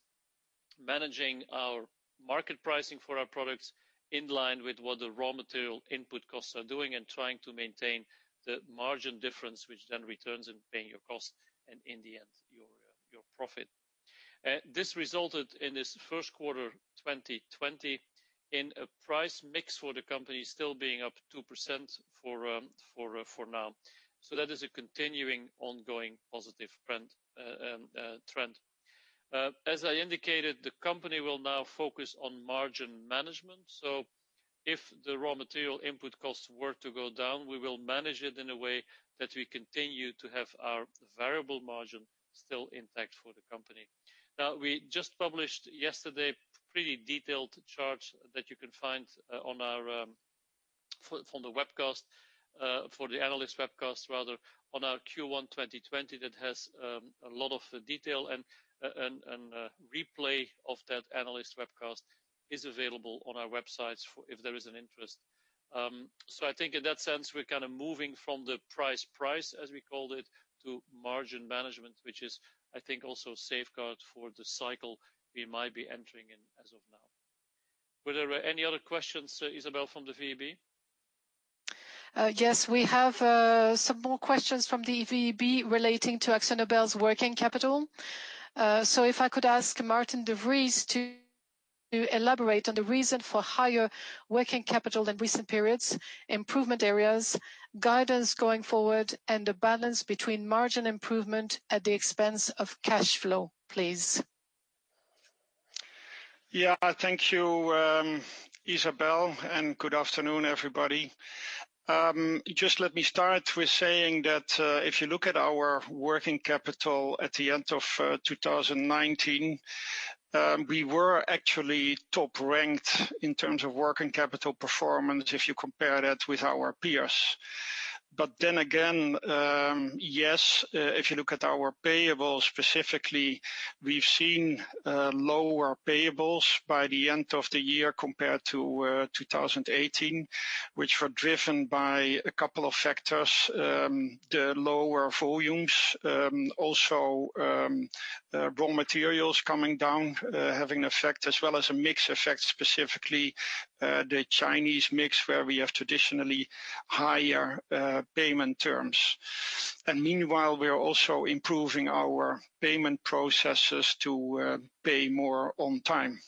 managing our market pricing for our products in line with what the raw material input costs are doing and trying to maintain the margin difference, which then returns in paying your costs and, in the end, your profit. This resulted in this first quarter 2020 in a price mix for the company still being up 2% for now. So that is a continuing ongoing positive trend. As I indicated, the company will now focus on margin management. So if the raw material input costs were to go down, we will manage it in a way that we continue to have our variable margin still intact for the company. Now, we just published yesterday a pretty detailed chart that you can find on our webcast for the analyst webcast, rather, on our Q1 2020 that has a lot of detail, and a replay of that analyst webcast is available on our website if there is an interest, so I think, in that sense, we're kind of moving from the price price, as we called it, to margin management, which is, I think, also safeguard for the cycle we might be entering in as of now. Were there any other questions, Isabelle, from the VEB? Yes, we have some more questions from the VEB relating to AkzoNobel's working capital. So if I could ask Maarten de Vries to elaborate on the reason for higher working capital in recent periods, improvement areas, guidance going forward, and the balance between margin improvement at the expense of cash flow, please. Yeah, thank you, Isabelle, and good afternoon, everybody. Just let me start with saying that if you look at our working capital at the end of 2019, we were actually top-ranked in terms of working capital performance if you compare that with our peers. But then again, yes, if you look at our payables specifically, we've seen lower payables by the end of the year compared to 2018, which were driven by a couple of factors: the lower volumes, also raw materials coming down, having an effect, as well as a mixed effect, specifically the Chinese mix, where we have traditionally higher payment terms. And meanwhile, we are also improving our payment processes to pay more on time.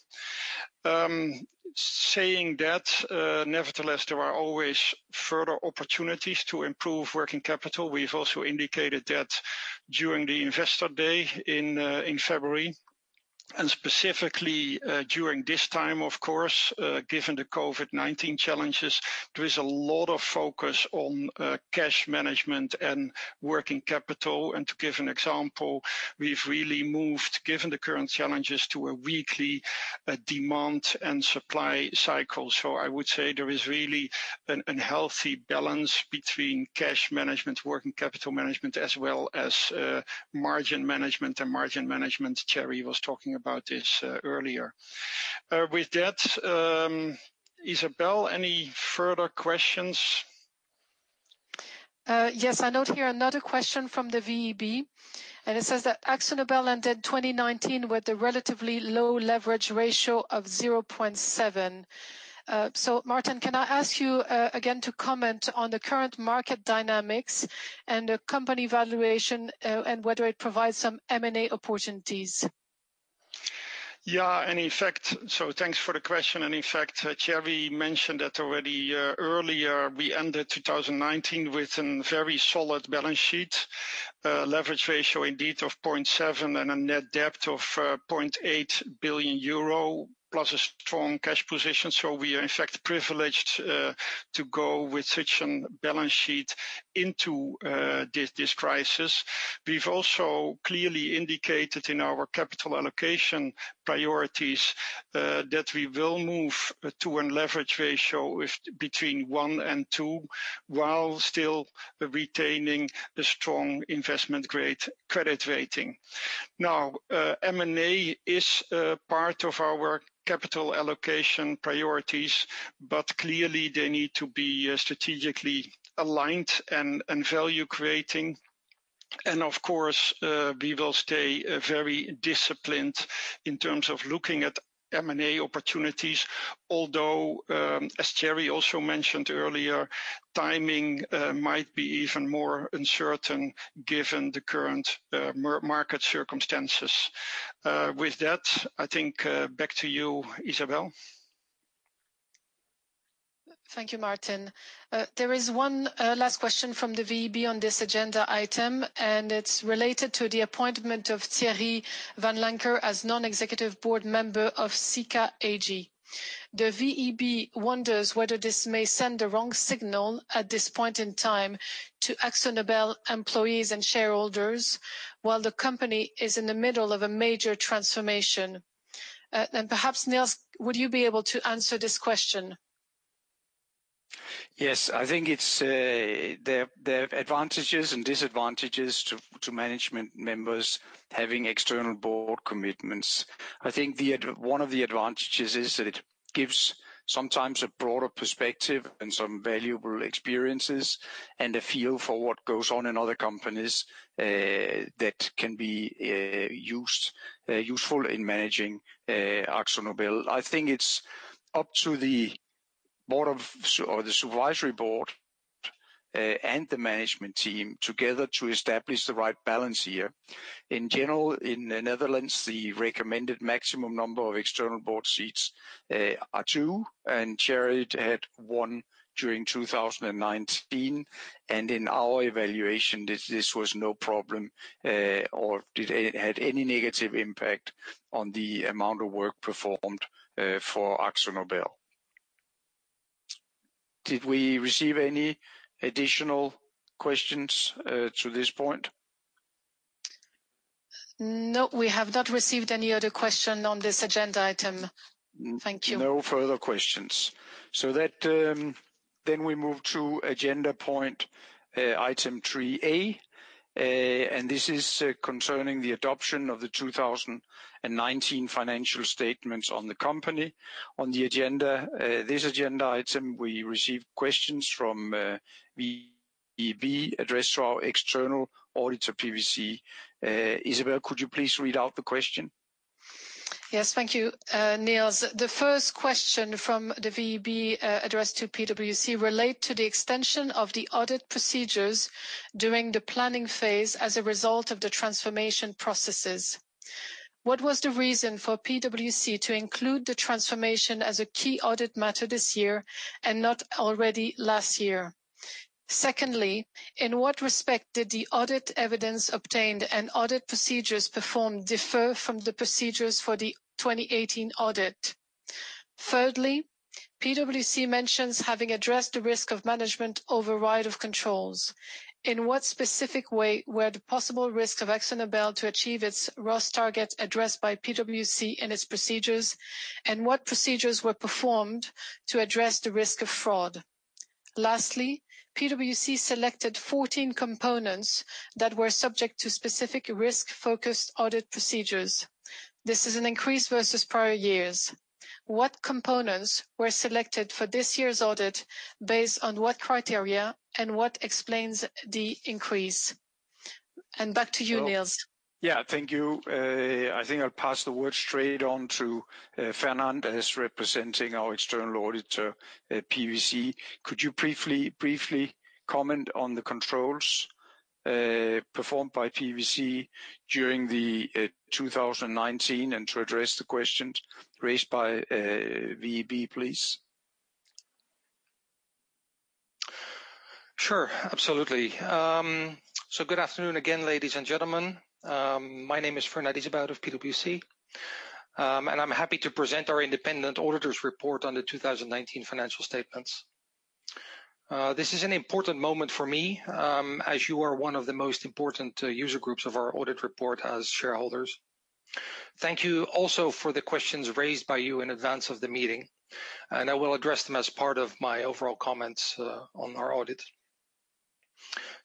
Saying that, nevertheless, there are always further opportunities to improve working capital. We've also indicated that during the investor day in February, and specifically during this time, of course, given the COVID-19 challenges, there is a lot of focus on cash management and working capital. And to give an example, we've really moved, given the current challenges, to a weekly demand and supply cycle. So I would say there is really a healthy balance between cash management, working capital management, as well as margin management and margin management. Thierry was talking about this earlier. With that, Isabelle, any further questions? Yes, I note here another question from the VEB. And it says that AkzoNobel ended 2019 with a relatively low leverage ratio of 0.7. So Maarten, can I ask you again to comment on the current market dynamics and the company valuation and whether it provides some M&A opportunities? Yeah, in effect, so thanks for the question. And in fact, Thierry mentioned that already earlier, we ended 2019 with a very solid balance sheet, leverage ratio indeed of 0.7 and a net debt of 0.8 billion euro plus a strong cash position. So we are, in fact, privileged to go with such a balance sheet into this crisis. We've also clearly indicated in our capital allocation priorities that we will move to a leverage ratio between one and two while still retaining a strong investment grade credit rating. Now, M&A is part of our capital allocation priorities, but clearly they need to be strategically aligned and value-creating. And of course, we will stay very disciplined in terms of looking at M&A opportunities, although, as Thierry also mentioned earlier, timing might be even more uncertain given the current market circumstances. With that, I think back to you, Isabelle. Thank you, Maarten. There is one last question from the VEB on this agenda item, and it's related to the appointment of Thierry Vanlancker as non-executive board member of Sika AG. The VEB wonders whether this may send the wrong signal at this point in time to AkzoNobel employees and shareholders while the company is in the middle of a major transformation, and perhaps, Nils, would you be able to answer this question? Yes, I think it's the advantages and disadvantages to management members having external board commitments. I think one of the advantages is that it gives sometimes a broader perspective and some valuable experiences and a feel for what goes on in other companies that can be useful in managing AkzoNobel. I think it's up to the board of or the supervisory board and the management team together to establish the right balance here. In general, in the Netherlands, the recommended maximum number of external board seats are two, and Thierry had one during 2019. In our evaluation, this was no problem or didn't have any negative impact on the amount of work performed for AkzoNobel. Did we receive any additional questions to this point? No, we have not received any other question on this agenda item. Thank you. No further questions. So then we move to agenda point item 3A, and this is concerning the adoption of the 2019 financial statements on the company. On the agenda, this agenda item, we received questions from VEB addressed to our external auditor, PwC. Isabelle, could you please read out the question? Yes, thank you, Nils. The first question from the VEB addressed to PwC relates to the extension of the audit procedures during the planning phase as a result of the transformation processes. What was the reason for PwC to include the transformation as a key audit matter this year and not already last year? Secondly, in what respect did the audit evidence obtained and audit procedures performed differ from the procedures for the 2018 audit? Thirdly, PwC mentions having addressed the risk of management override of controls. In what specific way were the possible risks of AkzoNobel to achieve its ROS target addressed by PwC in its procedures, and what procedures were performed to address the risk of fraud? Lastly, PwC selected 14 components that were subject to specific risk-focused audit procedures. This is an increase versus prior years. What components were selected for this year's audit based on what criteria and what explains the increase? And back to you, Nils. Yeah, thank you. I think I'll pass the word straight on to Fernand as representing our external auditor, PwC. Could you briefly comment on the controls performed by PwC during 2019 and to address the questions raised by VEB, please? Sure, absolutely. So good afternoon again, ladies and gentlemen. My name is Fernand Izeboud of PwC, and I'm happy to present our independent auditor's report on the 2019 financial statements. This is an important moment for me, as you are one of the most important user groups of our audit report as shareholders. Thank you also for the questions raised by you in advance of the meeting, and I will address them as part of my overall comments on our audit.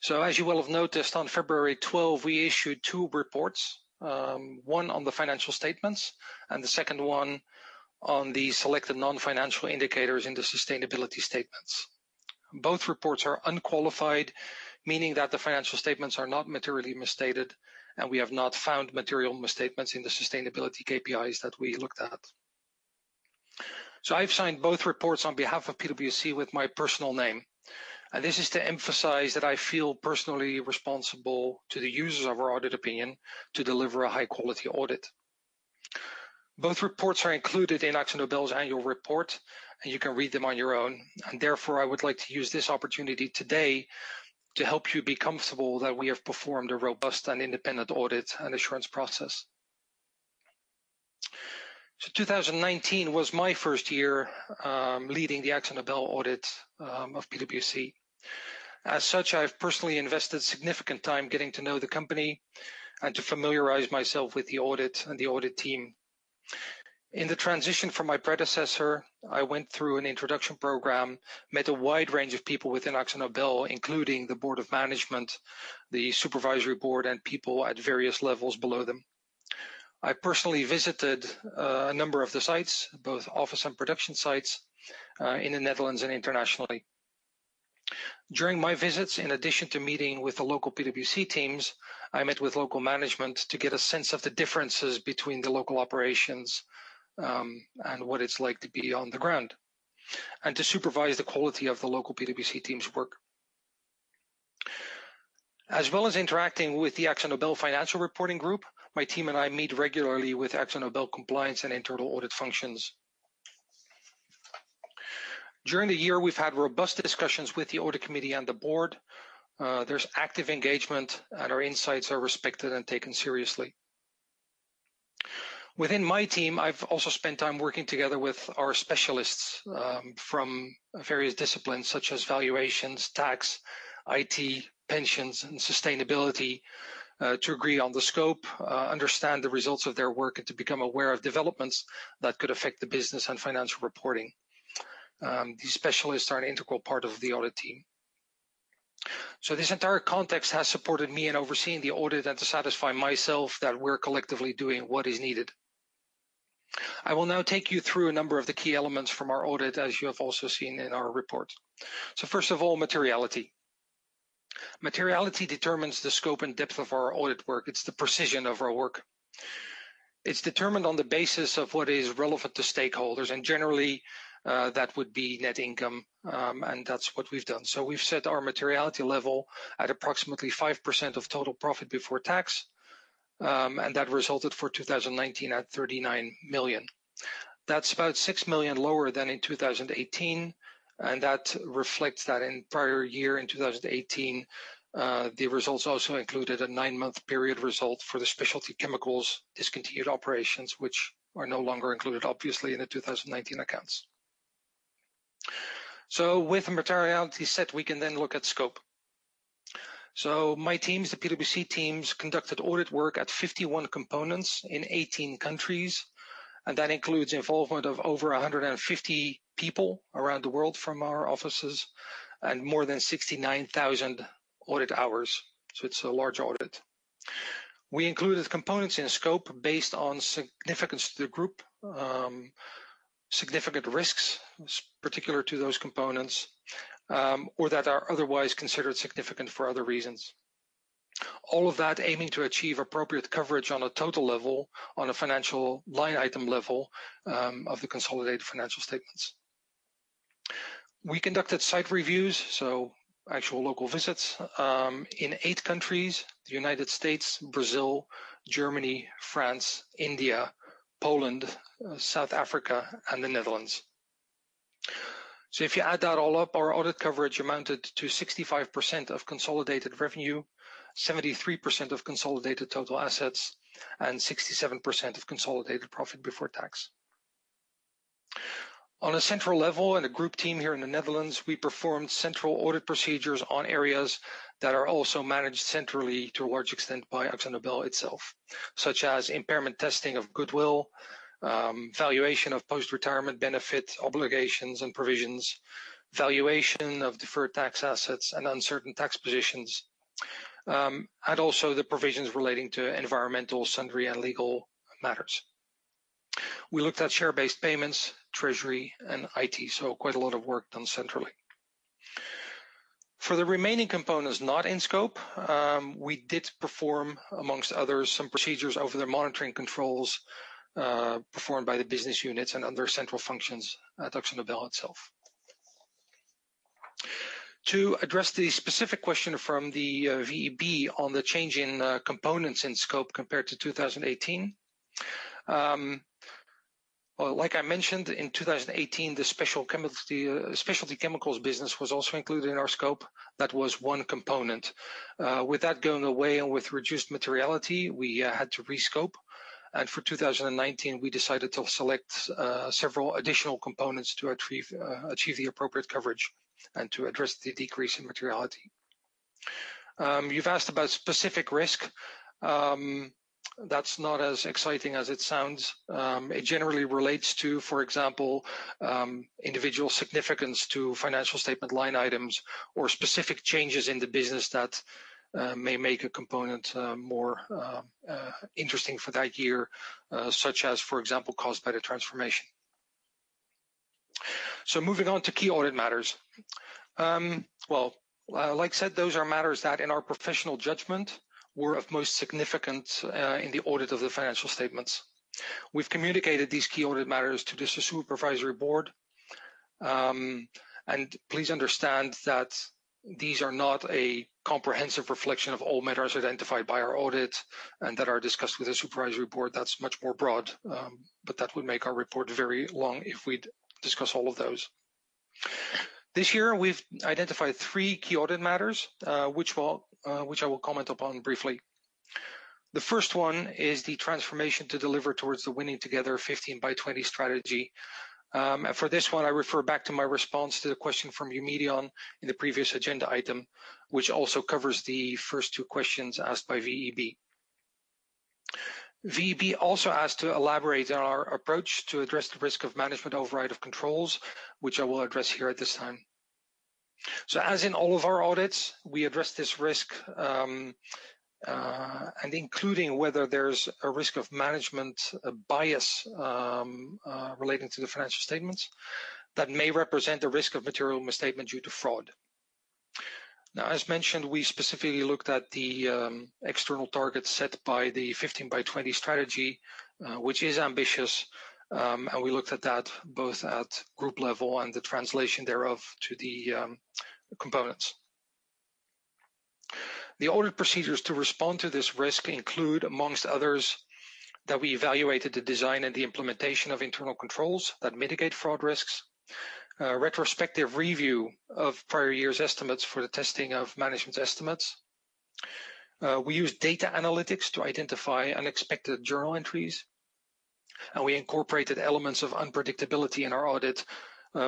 So as you will have noticed, on February 12, we issued two reports, one on the financial statements and the second one on the selected non-financial indicators in the sustainability statements. Both reports are unqualified, meaning that the financial statements are not materially misstated, and we have not found material misstatements in the sustainability KPIs that we looked at. So I've signed both reports on behalf of PwC with my personal name. And this is to emphasize that I feel personally responsible to the users of our audit opinion to deliver a high-quality audit. Both reports are included in AkzoNobel's annual report, and you can read them on your own. And therefore, I would like to use this opportunity today to help you be comfortable that we have performed a robust and independent audit and assurance process. So 2019 was my first year leading the AkzoNobel audit of PwC. As such, I've personally invested significant time getting to know the company and to familiarize myself with the audit and the audit team. In the transition from my predecessor, I went through an introduction program, met a wide range of people within AkzoNobel, including the board of management, the supervisory board, and people at various levels below them. I personally visited a number of the sites, both office and production sites, in the Netherlands and internationally. During my visits, in addition to meeting with the local PwC teams, I met with local management to get a sense of the differences between the local operations and what it's like to be on the ground and to supervise the quality of the local PwC team's work. As well as interacting with the AkzoNobel Financial Reporting Group, my team and I meet regularly with AkzoNobel compliance and internal audit functions. During the year, we've had robust discussions with the audit committee and the board. There's active engagement, and our insights are respected and taken seriously. Within my team, I've also spent time working together with our specialists from various disciplines such as valuations, tax, IT, pensions, and sustainability to agree on the scope, understand the results of their work, and to become aware of developments that could affect the business and financial reporting. These specialists are an integral part of the audit team. So this entire context has supported me in overseeing the audit and to satisfy myself that we're collectively doing what is needed. I will now take you through a number of the key elements from our audit, as you have also seen in our report. So first of all, materiality. Materiality determines the scope and depth of our audit work. It's the precision of our work. It's determined on the basis of what is relevant to stakeholders, and generally, that would be net income, and that's what we've done. So we've set our materiality level at approximately 5% of total profit before tax, and that resulted for 2019 at 39 million. That's about 6 million lower than in 2018, and that reflects that in the prior year in 2018, the results also included a nine-month period result for the specialty chemicals discontinued operations, which are no longer included, obviously, in the 2019 accounts. So with materiality set, we can then look at scope. So my teams, the PwC teams, conducted audit work at 51 components in 18 countries, and that includes involvement of over 150 people around the world from our offices and more than 69,000 audit hours. So it's a large audit. We included components in scope based on significance to the group, significant risks particular to those components, or that are otherwise considered significant for other reasons. All of that aiming to achieve appropriate coverage on a total level, on a financial line item level of the consolidated financial statements. We conducted site reviews, so actual local visits in eight countries: the United States, Brazil, Germany, France, India, Poland, South Africa, and the Netherlands. So if you add that all up, our audit coverage amounted to 65% of consolidated revenue, 73% of consolidated total assets, and 67% of consolidated profit before tax. On a central level and a group team here in the Netherlands, we performed central audit procedures on areas that are also managed centrally to a large extent by AkzoNobel itself, such as impairment testing of goodwill, valuation of post-retirement benefit obligations and provisions, valuation of deferred tax assets and uncertain tax positions, and also the provisions relating to environmental, sundry, and legal matters. We looked at share-based payments, treasury, and IT. So quite a lot of work done centrally. For the remaining components not in scope, we did perform, among others, some procedures over the monitoring controls performed by the business units and other central functions at AkzoNobel itself. To address the specific question from the VEB on the change in components in scope compared to 2018, like I mentioned, in 2018, the specialty chemicals business was also included in our scope. That was one component. With that going away and with reduced materiality, we had to rescope, and for 2019, we decided to select several additional components to achieve the appropriate coverage and to address the decrease in materiality. You've asked about specific risk. That's not as exciting as it sounds. It generally relates to, for example, individual significance to financial statement line items or specific changes in the business that may make a component more interesting for that year, such as, for example, caused by the transformation, so moving on to key audit matters, well, like I said, those are matters that, in our professional judgment, were of most significance in the audit of the financial statements. We've communicated these key audit matters to the supervisory board, and please understand that these are not a comprehensive reflection of all matters identified by our audit and that are discussed with the supervisory board. That's much more broad, but that would make our report very long if we discuss all of those. This year, we've identified three key audit matters, which I will comment upon briefly. The first one is the transformation to deliver towards the Winning together: 15 by 20 strategy, and for this one, I refer back to my response to the question from Eumedion in the previous agenda item, which also covers the first two questions asked by VEB. VEB also asked to elaborate on our approach to address the risk of management override of controls, which I will address here at this time, so as in all of our audits, we address this risk, including whether there's a risk of management bias relating to the financial statements that may represent a risk of material misstatement due to fraud. Now, as mentioned, we specifically looked at the external target set by the 15 by 20 strategy, which is ambitious, and we looked at that both at group level and the translation thereof to the components. The audit procedures to respond to this risk include, among others, that we evaluated the design and the implementation of internal controls that mitigate fraud risks, retrospective review of prior year's estimates for the testing of management estimates. We used data analytics to identify unexpected journal entries, and we incorporated elements of unpredictability in our audit.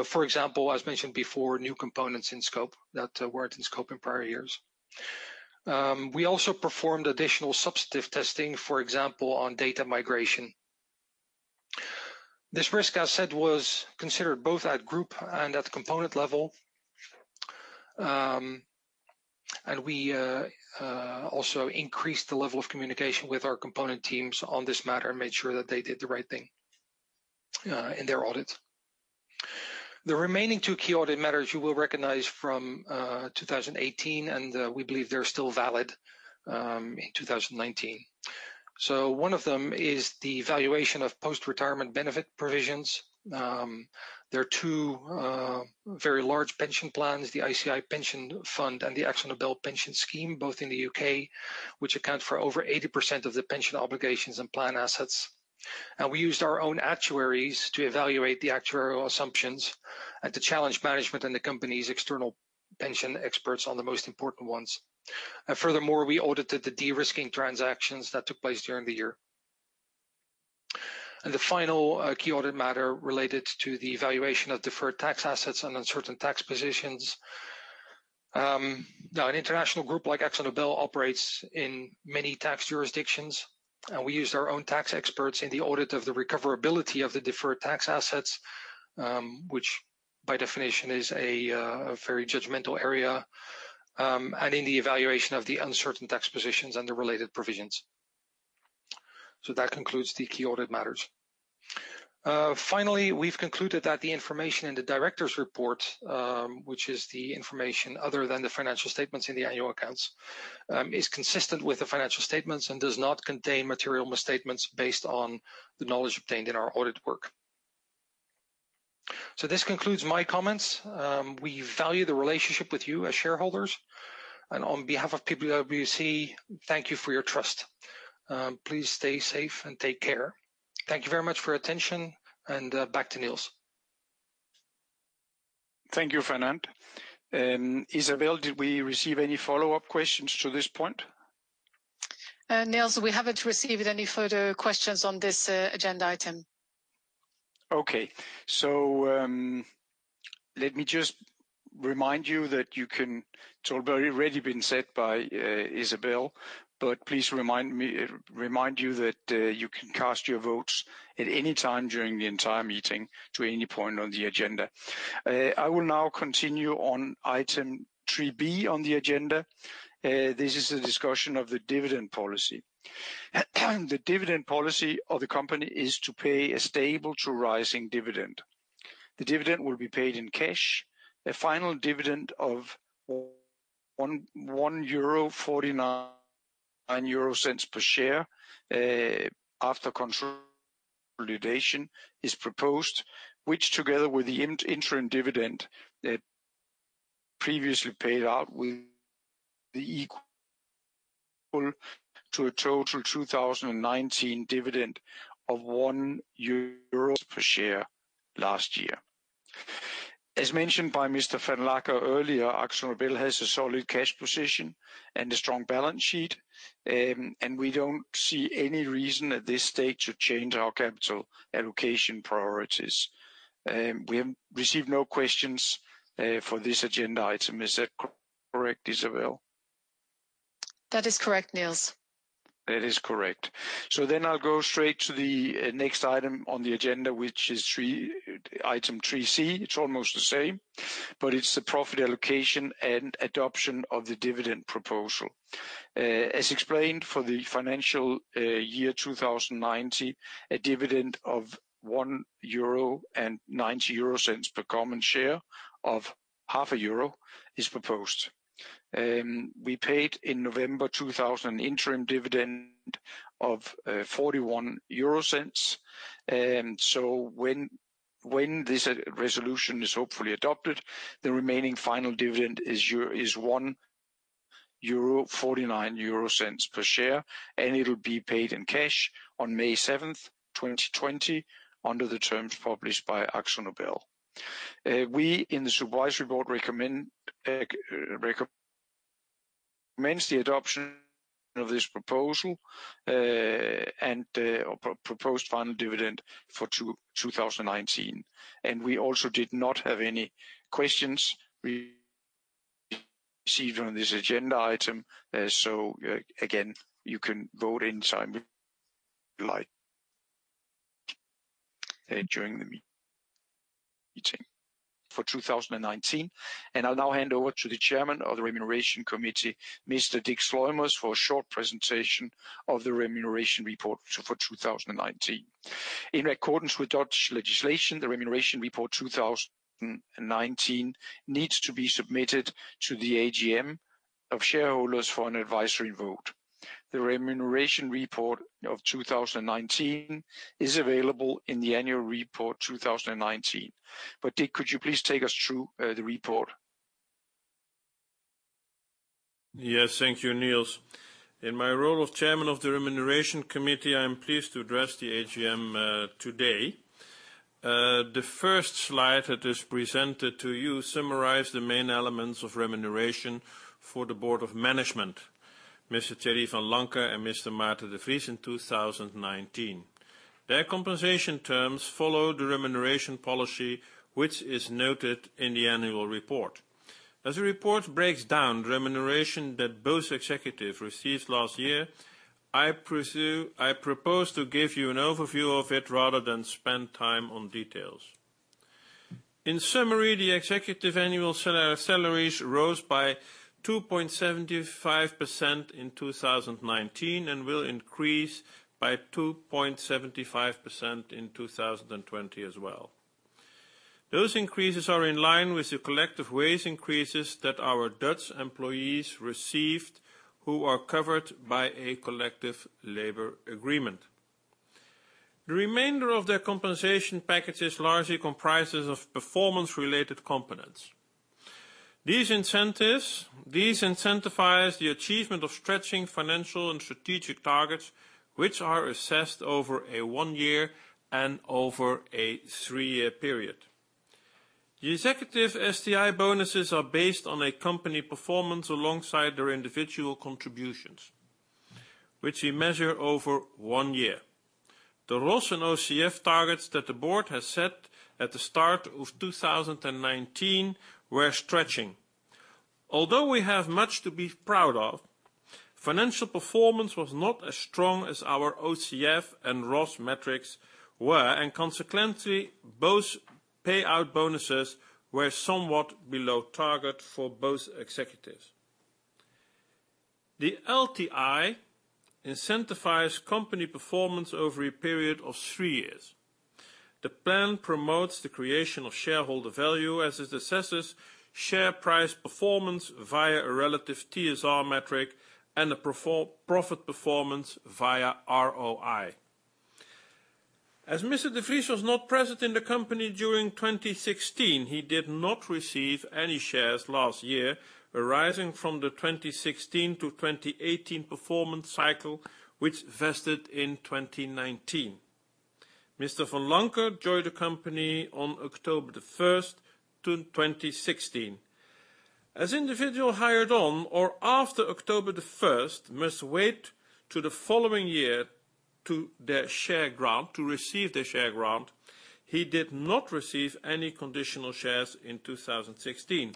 For example, as mentioned before, new components in scope that weren't in scope in prior years. We also performed additional substantive testing, for example, on data migration. This risk, as said, was considered both at group and at component level. We also increased the level of communication with our component teams on this matter and made sure that they did the right thing in their audit. The remaining two key audit matters you will recognize from 2018, and we believe they're still valid in 2019. One of them is the valuation of post-retirement benefit provisions. There are two very large pension plans, the ICI Pension Fund and the AkzoNobel Pension Scheme, both in the U.K., which account for over 80% of the pension obligations and plan assets. We used our own actuaries to evaluate the actuarial assumptions and to challenge management and the company's external pension experts on the most important ones. The final key audit matter related to the evaluation of deferred tax assets and uncertain tax positions. Now, an international group like AkzoNobel operates in many tax jurisdictions, and we used our own tax experts in the audit of the recoverability of the deferred tax assets, which by definition is a very judgmental area, and in the evaluation of the uncertain tax positions and the related provisions. So that concludes the key audit matters. Finally, we've concluded that the information in the directors' report, which is the information other than the financial statements in the annual accounts, is consistent with the financial statements and does not contain material misstatements based on the knowledge obtained in our audit work. So this concludes my comments. We value the relationship with you as shareholders. And on behalf of PwC, thank you for your trust. Please stay safe and take care. Thank you very much for your attention, and back to Nils. Thank you, Fernand. Isabelle, did we receive any follow-up questions to this point? Nils, we haven't received any further questions on this agenda item. Okay. Let me just remind you that you can, it's already been said by Isabelle, but please remind you that you can cast your votes at any time during the entire meeting to any point on the agenda. I will now continue on item 3B on the agenda. This is a discussion of the dividend policy. The dividend policy of the company is to pay a stable to rising dividend. The dividend will be paid in cash. A final dividend of €1.49 per share after consolidation is proposed, which together with the interim dividend previously paid out will be equal to a total 2019 dividend of €1.00 per share last year. As mentioned by Mr. Vanlancker earlier, AkzoNobel has a solid cash position and a strong balance sheet, and we don't see any reason at this stage to change our capital allocation priorities. We have received no questions for this agenda item. Is that correct, Isabelle? That is correct, Nils. That is correct. So then I'll go straight to the next item on the agenda, which is item 3C. It's almost the same, but it's the profit allocation and adoption of the dividend proposal. As explained, for the financial year 2019, a dividend of €1.90 per common share is proposed. We paid in November 2019 an interim dividend of €0.41. So when this resolution is hopefully adopted, the remaining final dividend is €1.49 per share, and it'll be paid in cash on May 7th, 2020, under the terms published by AkzoNobel. We, in the supervisory board, recommend the adoption of this proposal and proposed final dividend for 2019. And we also did not have any questions received on this agenda item. So again, you can vote anytime you'd like during the meeting. For 2019. And I'll now hand over to the Chairman of the Remuneration Committee, Mr. Dick Sluimers, for a short presentation of the remuneration report for 2019. In accordance with Dutch legislation, the remuneration report 2019 needs to be submitted to the AGM of shareholders for an advisory vote. The remuneration report of 2019 is available in the annual report 2019. But Dick, could you please take us through the report? Yes, thank you, Nils. In my role of Chairman of the Remuneration Committee, I'm pleased to address the AGM today. The first slide that is presented to you summarizes the main elements of remuneration for the Board of Management, Mr. Thierry Vanlancker and Mr. Maarten de Vries in 2019. Their compensation terms follow the remuneration policy, which is noted in the annual report. As the report breaks down the remuneration that both executives received last year, I propose to give you an overview of it rather than spend time on details. In summary, the executive annual salaries rose by 2.75% in 2019 and will increase by 2.75% in 2020 as well. Those increases are in line with the collective wage increases that our Dutch employees received who are covered by a collective labor agreement. The remainder of their compensation packages largely comprises of performance-related components. These incentives incentivize the achievement of stretching financial and strategic targets, which are assessed over a one-year and over a three-year period. The executive STI bonuses are based on a company performance alongside their individual contributions, which we measure over one year. The ROS and OCF targets that the board has set at the start of 2019 were stretching. Although we have much to be proud of, financial performance was not as strong as our OCF and ROS metrics were, and consequently, both payout bonuses were somewhat below target for both executives. The LTI incentivizes company performance over a period of three years. The plan promotes the creation of shareholder value as it assesses share price performance via a relative TSR metric and a profit performance via ROI. As Mr. de Vries was not present in the company during 2016, he did not receive any shares last year, arising from the 2016 to 2018 performance cycle, which vested in 2019. Mr. Vanlancker joined the company on October the 1st, 2016. As individual hired on or after October the 1st, must wait to the following year to receive their share grant. He did not receive any conditional shares in 2016.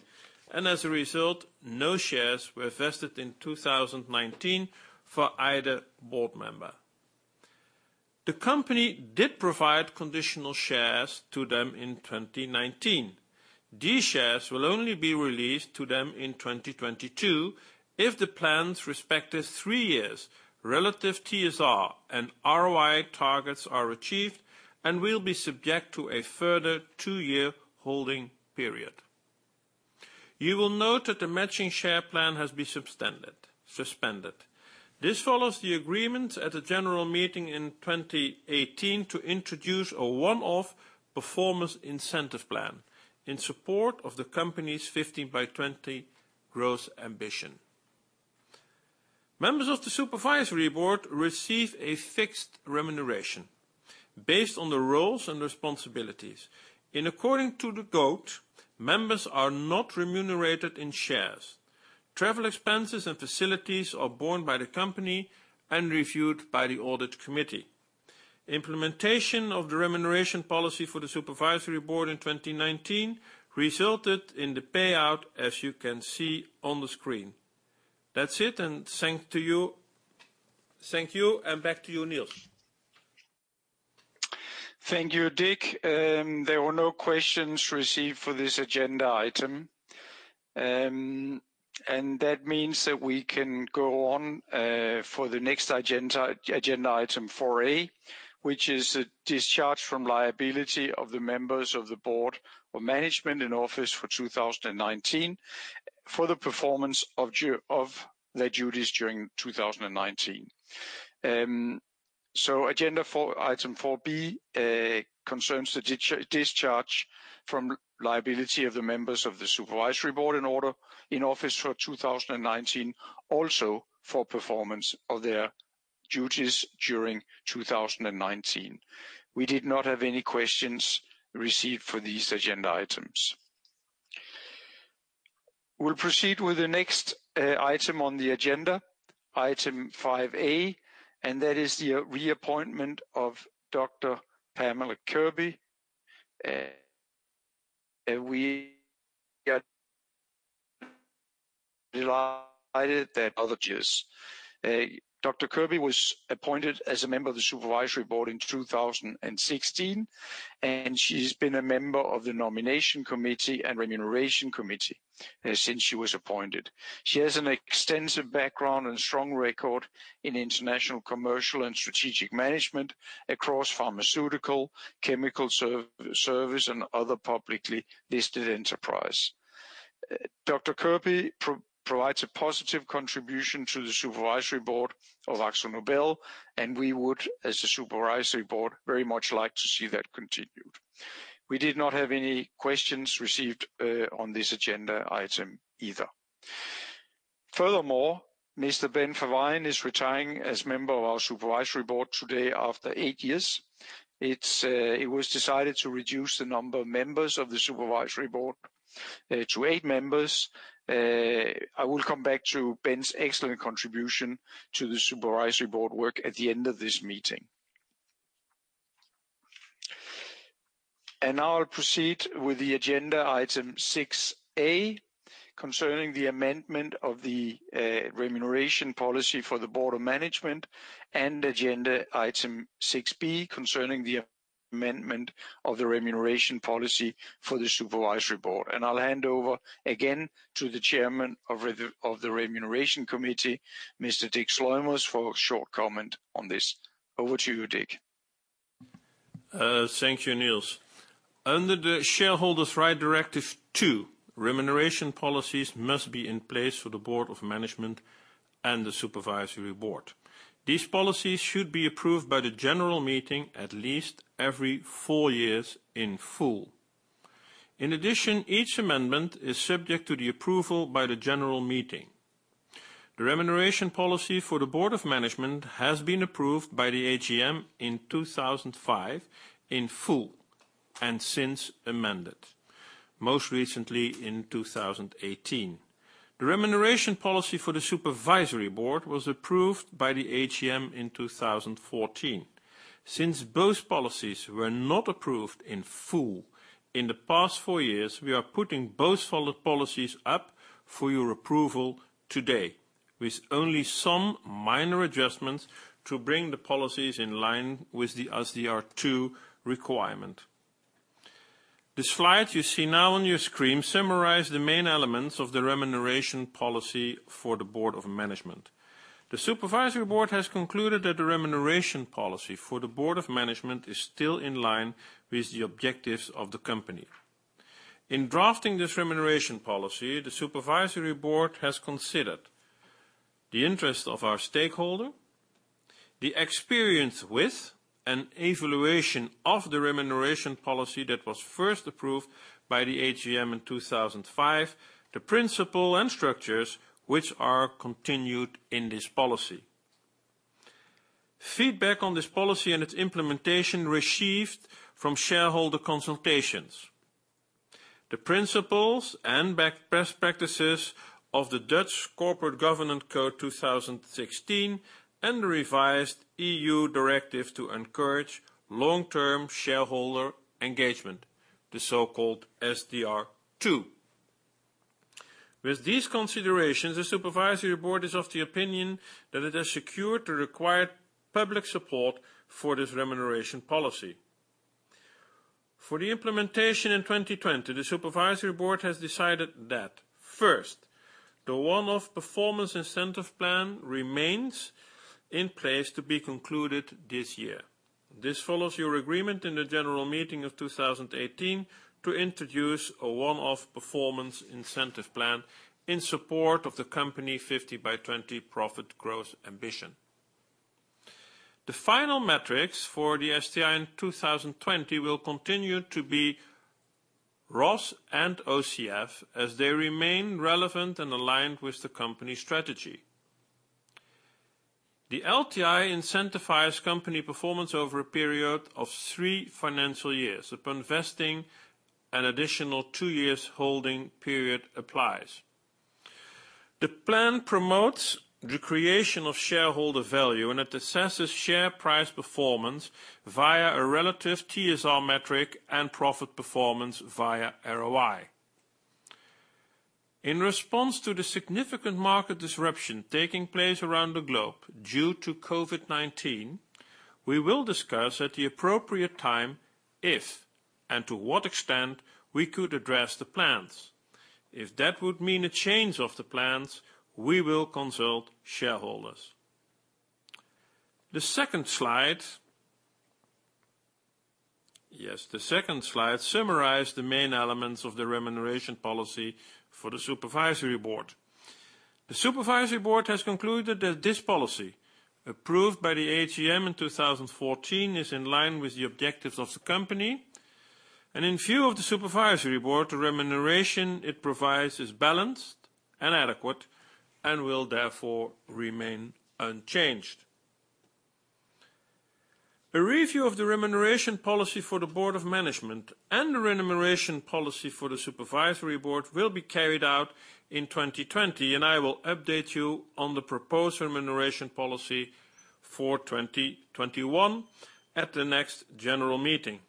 And as a result, no shares were vested in 2019 for either board member. The company did provide conditional shares to them in 2019. These shares will only be released to them in 2022 if the plans respect the three years, relative TSR, and ROI targets are achieved and will be subject to a further two-year holding period. You will note that the matching share plan has been suspended. This follows the agreement at a general meeting in 2018 to introduce a one-off performance incentive plan in support of the company's 15 by 20 growth ambition. Members of the supervisory board receive a fixed remuneration based on the roles and responsibilities. In accordance with the Code, members are not remunerated in shares. Travel expenses and facilities are borne by the company and reviewed by the audit committee. Implementation of the remuneration policy for the supervisory board in 2019 resulted in the payout, as you can see on the screen. That's it, and thank you, and back to you, Nils. Thank you, Dick. There were no questions received for this agenda item. And that means that we can go on for the next agenda item, 4A, which is a discharge from liability of the members of the board of management in office for 2019 for the performance of their duties during 2019. So agenda item 4B concerns the discharge from liability of the members of the supervisory board in office for 2019, also for performance of their duties during 2019. We did not have any questions received for these agenda items. We'll proceed with the next item on the agenda, item 5A, and that is the reappointment of Dr. Pamela Kirby. We are delighted that Dr. Kirby was appointed as a member of the supervisory board in 2016, and she's been a member of the Nomination Committee and remuneration committee since she was appointed. She has an extensive background and strong record in international commercial and strategic management across pharmaceutical, chemical services, and other publicly listed enterprises. Dr. Kirby provides a positive contribution to the supervisory board of AkzoNobel, and we would, as the supervisory board, very much like to see that continued. We did not have any questions received on this agenda item either. Furthermore, Mr. Ben Verwaayen is retiring as a member of our supervisory board today after eight years. It was decided to reduce the number of members of the supervisory board to eight members. I will come back to Ben's excellent contribution to the supervisory board work at the end of this meeting. Now I'll proceed with the agenda item 6A concerning the amendment of the remuneration policy for the board of management and agenda item 6B concerning the amendment of the remuneration policy for the supervisory board. And I'll hand over again to the chairman of the remuneration committee, Mr. Dick Sluimers, for a short comment on this. Over to you, Dick. Thank you, Nils. Under the Shareholders Rights Directive, two remuneration policies must be in place for the Board of Management and the Supervisory Board. These policies should be approved by the general meeting at least every four years in full. In addition, each amendment is subject to the approval by the general meeting. The remuneration policy for the Board of Management has been approved by the AGM in 2005 in full and since amended, most recently in 2018. The remuneration policy for the Supervisory Board was approved by the AGM in 2014. Since both policies were not approved in full in the past four years, we are putting both policies up for your approval today with only some minor adjustments to bring the policies in line with the SRD II requirement. The slides you see now on your screen summarize the main elements of the remuneration policy for the board of management. The supervisory board has concluded that the remuneration policy for the board of management is still in line with the objectives of the company. In drafting this remuneration policy, the supervisory board has considered the interest of our stakeholders, the experience with an evaluation of the remuneration policy that was first approved by the AGM in 2005, the principles and structures which are continued in this policy, feedback on this policy and its implementation received from shareholder consultations, the principles and best practices of the Dutch Corporate Governance Code 2016 and the revised EU directive to encourage long-term shareholder engagement, the so-called SRD II. With these considerations, the supervisory board is of the opinion that it has secured the required public support for this remuneration policy. For the implementation in 2020, the supervisory board has decided that, first, the one-off performance incentive plan remains in place to be concluded this year. This follows your agreement in the general meeting of 2018 to introduce a one-off performance incentive plan in support of the company's 15 by 20 profit growth ambition. The final metrics for the STI in 2020 will continue to be ROS and OCF as they remain relevant and aligned with the company's strategy. The LTI incentivizes company performance over a period of three financial years upon vesting an additional two-year holding period applies. The plan promotes the creation of shareholder value, and it assesses share price performance via a relative TSR metric and profit performance via ROI. In response to the significant market disruption taking place around the globe due to COVID-19, we will discuss at the appropriate time if and to what extent we could address the plans. If that would mean a change of the plans, we will consult shareholders. The second slide, yes, the second slide summarizes the main elements of the remuneration policy for the supervisory board. The supervisory board has concluded that this policy, approved by the AGM in 2014, is in line with the objectives of the company, and in view of the supervisory board, the remuneration it provides is balanced and adequate and will therefore remain unchanged. A review of the remuneration policy for the board of management and the remuneration policy for the supervisory board will be carried out in 2020, and I will update you on the proposed remuneration policy for 2021 at the next general meeting.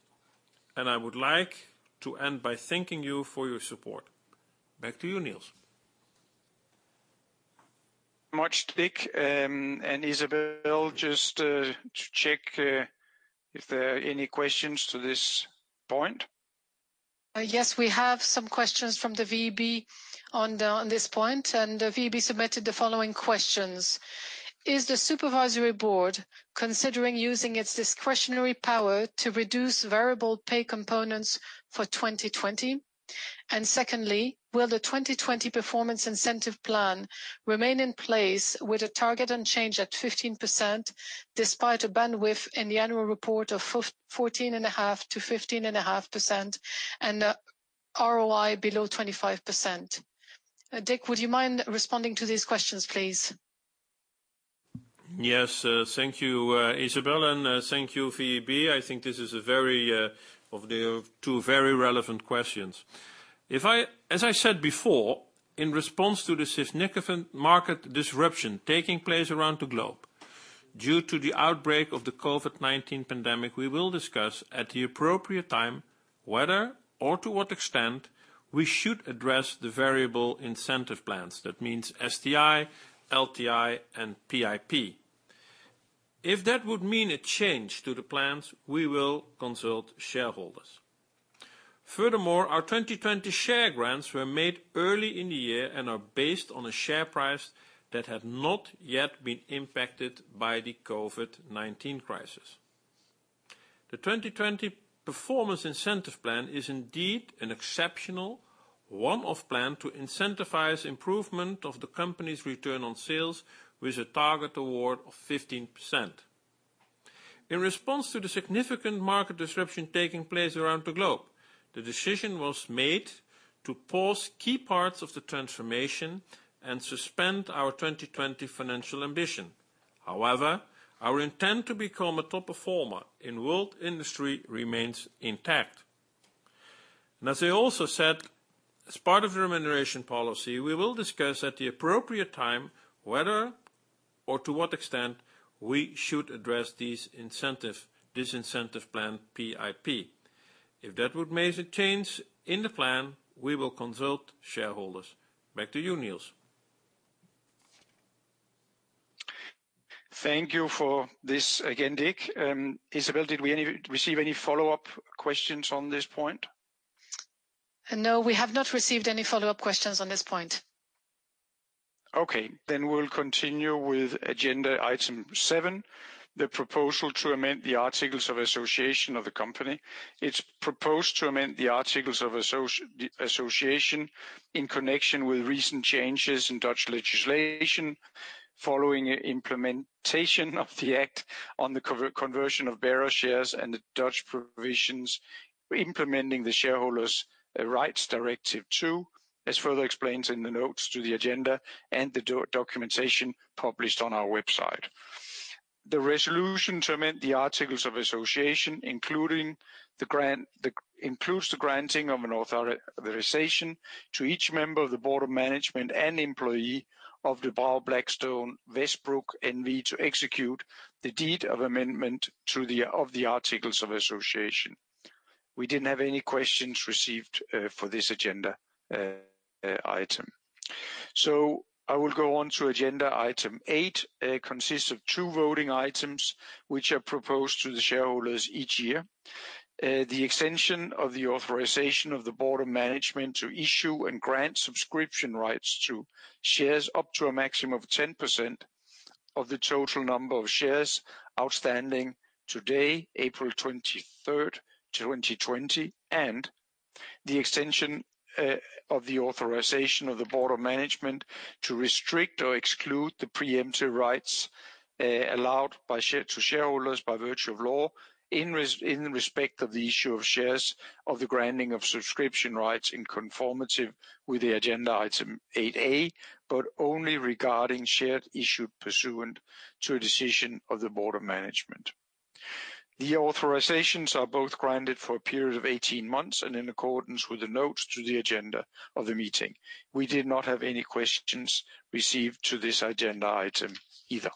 I would like to end by thanking you for your support. Back to you, Nils. Thank you very much, Dick and Isabelle. Just to check if there are any questions to this point. Yes, we have some questions from the VEB on this point, and the VEB submitted the following questions. Is the supervisory board considering using its discretionary power to reduce variable pay components for 2020? And secondly, will the 2020 performance incentive plan remain in place with a target unchanged at 15% despite a bandwidth in the annual report of 14.5%-15.5% and ROI below 25%? Dick, would you mind responding to these questions, please? Yes, thank you, Isabelle, and thank you, VEB. I think this is very much one of the two very relevant questions. As I said before, in response to the significant market disruption taking place around the globe due to the outbreak of the COVID-19 pandemic, we will discuss at the appropriate time whether or to what extent we should address the variable incentive plans. That means STI, LTI, and PIP. If that would mean a change to the plans, we will consult shareholders. Furthermore, our 2020 share grants were made early in the year and are based on a share price that had not yet been impacted by the COVID-19 crisis. The 2020 performance incentive plan is indeed an exceptional one-off plan to incentivize improvement of the company's return on sales with a target award of 15%. In response to the significant market disruption taking place around the globe, the decision was made to pause key parts of the transformation and suspend our 2020 financial ambition. However, our intent to become a top performer in world industry remains intact. As I also said, as part of the remuneration policy, we will discuss at the appropriate time whether or to what extent we should address this incentive plan, PIP. If that would make a change in the plan, we will consult shareholders. Back to you, Nils. Thank you for this again, Dick. Isabelle, did we receive any follow-up questions on this point? No, we have not received any follow-up questions on this point. Okay, then we'll continue with agenda item 7, the proposal to amend the articles of association of the company. It's proposed to amend the articles of association in connection with recent changes in Dutch legislation following implementation of the Act on the Conversion of Bearer Shares and the Dutch provisions implementing the Shareholders' Rights Directive II, as further explained in the notes to the agenda and the documentation published on our website. The resolution to amend the articles of association, including the grant, includes the granting of an authorization to each member of the board of management and employee of the De Brauw Blackstone Westbroek N.V. to execute the deed of amendment to the articles of association. We didn't have any questions received for this agenda item. So I will go on to agenda item eight, consists of two voting items which are proposed to the shareholders each year. The extension of the authorization of the board of management to issue and grant subscription rights to shares up to a maximum of 10% of the total number of shares outstanding today, April 23rd, 2020, and the extension of the authorization of the board of management to restrict or exclude the preemptive rights allowed by shares to shareholders by virtue of law in respect of the issue of shares of the granting of subscription rights in conformity with the agenda item 8A, but only regarding share issue pursuant to a decision of the board of management. The authorizations are both granted for a period of 18 months and in accordance with the notes to the agenda of the meeting. We did not have any questions received to this agenda item either.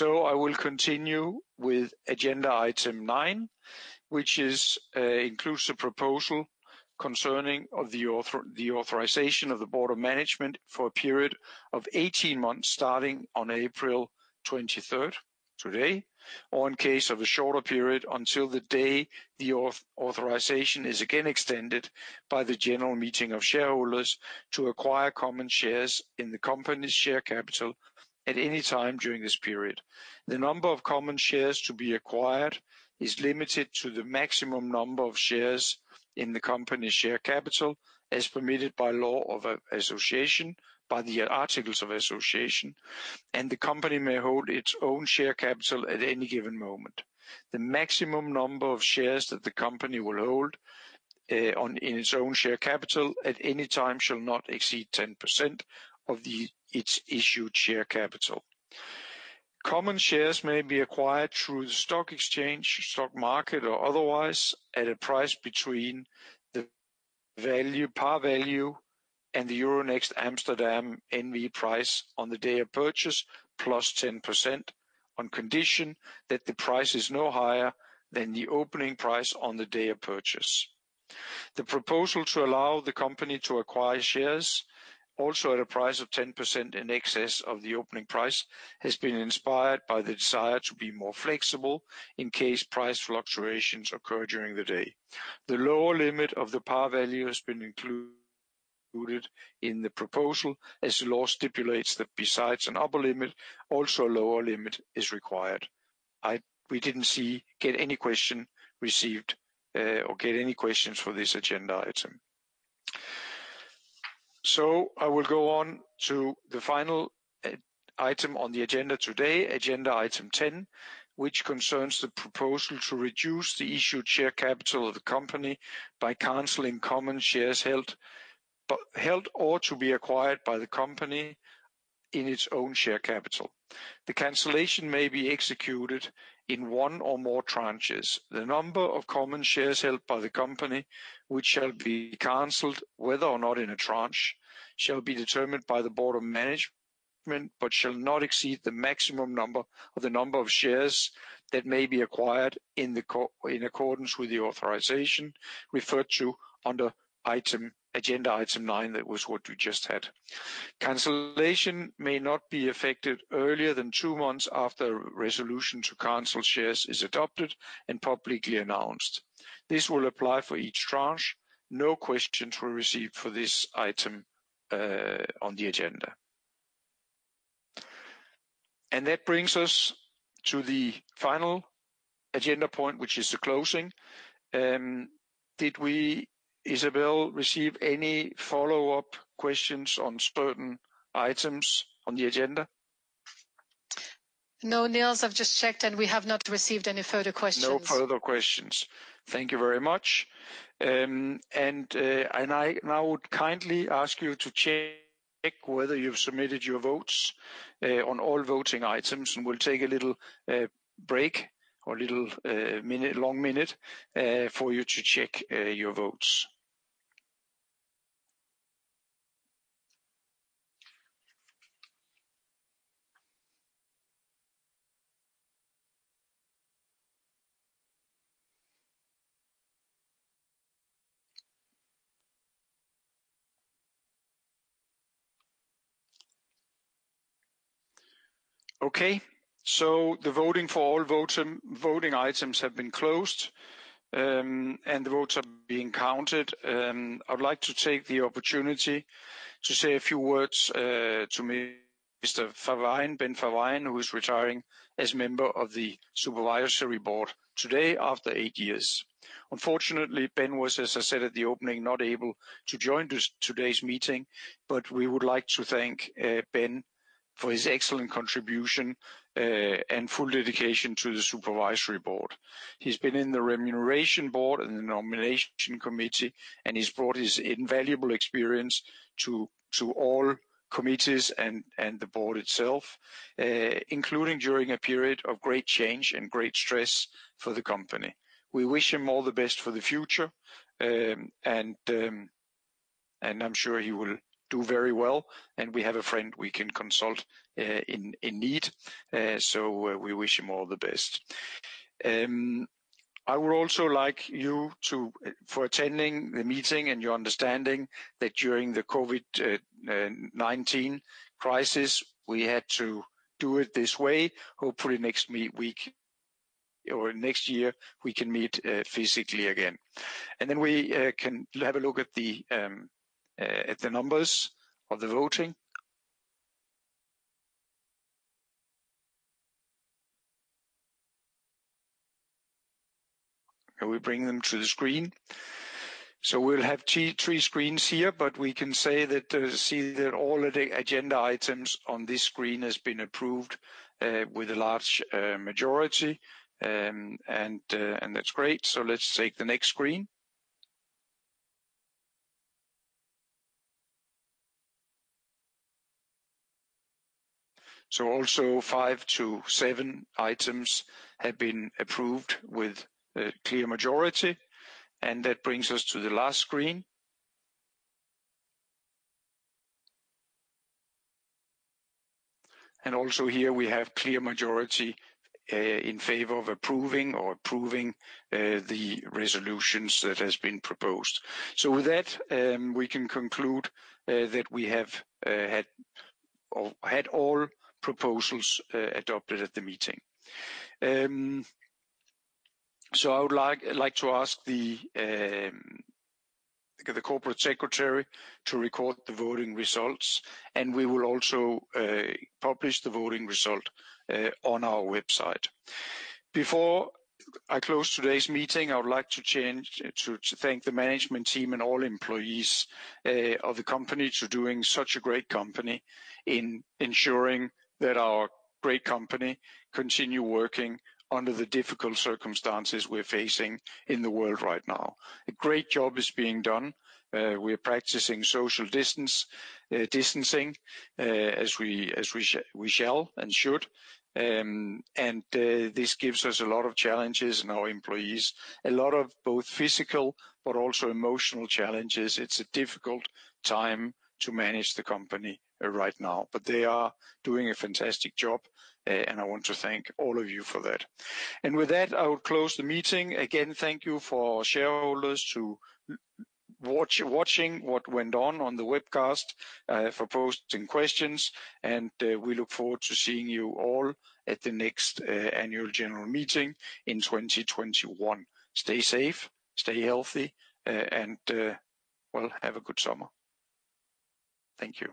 I will continue with agenda item nine, which includes a proposal concerning the authorization of the Board of Management for a period of 18 months starting on April 23rd today, or in case of a shorter period until the day the authorization is again extended by the general meeting of shareholders to acquire common shares in the company's share capital at any time during this period. The number of common shares to be acquired is limited to the maximum number of shares in the company's share capital as permitted by law of association by the articles of association, and the company may hold its own share capital at any given moment. The maximum number of shares that the company will hold in its own share capital at any time shall not exceed 10% of its issued share capital. Common shares may be acquired through the stock exchange, stock market, or otherwise at a price between the par value and the Euronext Amsterdam N.V. price on the day of purchase, plus 10% on condition that the price is no higher than the opening price on the day of purchase. The proposal to allow the company to acquire shares also at a price of 10% in excess of the opening price has been inspired by the desire to be more flexible in case price fluctuations occur during the day. The lower limit of the par value has been included in the proposal as the law stipulates that besides an upper limit, also a lower limit is required. We didn't get any question received or get any questions for this agenda item. So I will go on to the final item on the agenda today, agenda item 10, which concerns the proposal to reduce the issued share capital of the company by canceling common shares held or to be acquired by the company in its own share capital. The cancellation may be executed in one or more tranches. The number of common shares held by the company, which shall be canceled whether or not in a tranche, shall be determined by the Board of Management, but shall not exceed the maximum number of shares that may be acquired in accordance with the authorization referred to under agenda item nine, that was what you just had. Cancellation may not be effected earlier than two months after a resolution to cancel shares is adopted and publicly announced. This will apply for each tranche. No questions were received for this item on the agenda. And that brings us to the final agenda point, which is the closing. Did we, Isabelle, receive any follow-up questions on certain items on the agenda? No, Nils, I've just checked and we have not received any further questions. No further questions. Thank you very much, and I now would kindly ask you to check whether you've submitted your votes on all voting items, and we'll take a little break or a little longer minute for you to check your votes. Okay, so the voting for all voting items have been closed and the votes are being counted. I'd like to take the opportunity to say a few words to Mr. Ben Verwaayen, who is retiring as member of the supervisory board today after eight years. Unfortunately, Ben was, as I said at the opening, not able to join today's meeting, but we would like to thank Ben for his excellent contribution and full dedication to the supervisory board. He's been in the remuneration board and the nomination committee, and he's brought his invaluable experience to all committees and the board itself, including during a period of great change and great stress for the company. We wish him all the best for the future, and I'm sure he will do very well, and we have a friend we can consult in need, so we wish him all the best. I would also like to thank you for attending the meeting and your understanding that during the COVID-19 crisis, we had to do it this way. Hopefully, next week or next year, we can meet physically again. Then we can have a look at the numbers of the voting. We'll bring them to the screen. So we'll have three screens here, but we can see that all of the agenda items on this screen have been approved with a large majority, and that's great. So let's take the next screen. So also five to seven items have been approved with a clear majority, and that brings us to the last screen. And also here we have a clear majority in favor of approving the resolutions that have been proposed. So with that, we can conclude that we have had all proposals adopted at the meeting. So I would like to ask the Corporate Secretary to record the voting results, and we will also publish the voting result on our website. Before I close today's meeting, I would like to thank the management team and all employees of the company for doing such a great job in ensuring that our great company continues working under the difficult circumstances we're facing in the world right now. A great job is being done. We are practicing social distancing as we shall and should, and this gives us a lot of challenges and our employees a lot of both physical but also emotional challenges. It's a difficult time to manage the company right now, but they are doing a fantastic job, and I want to thank all of you for that. And with that, I will close the meeting. Again, thank you, shareholders, for watching what went on on the webcast, for posting questions, and we look forward to seeing you all at the next annual general meeting in 2021. Stay safe, stay healthy, and well, have a good summer. Thank you.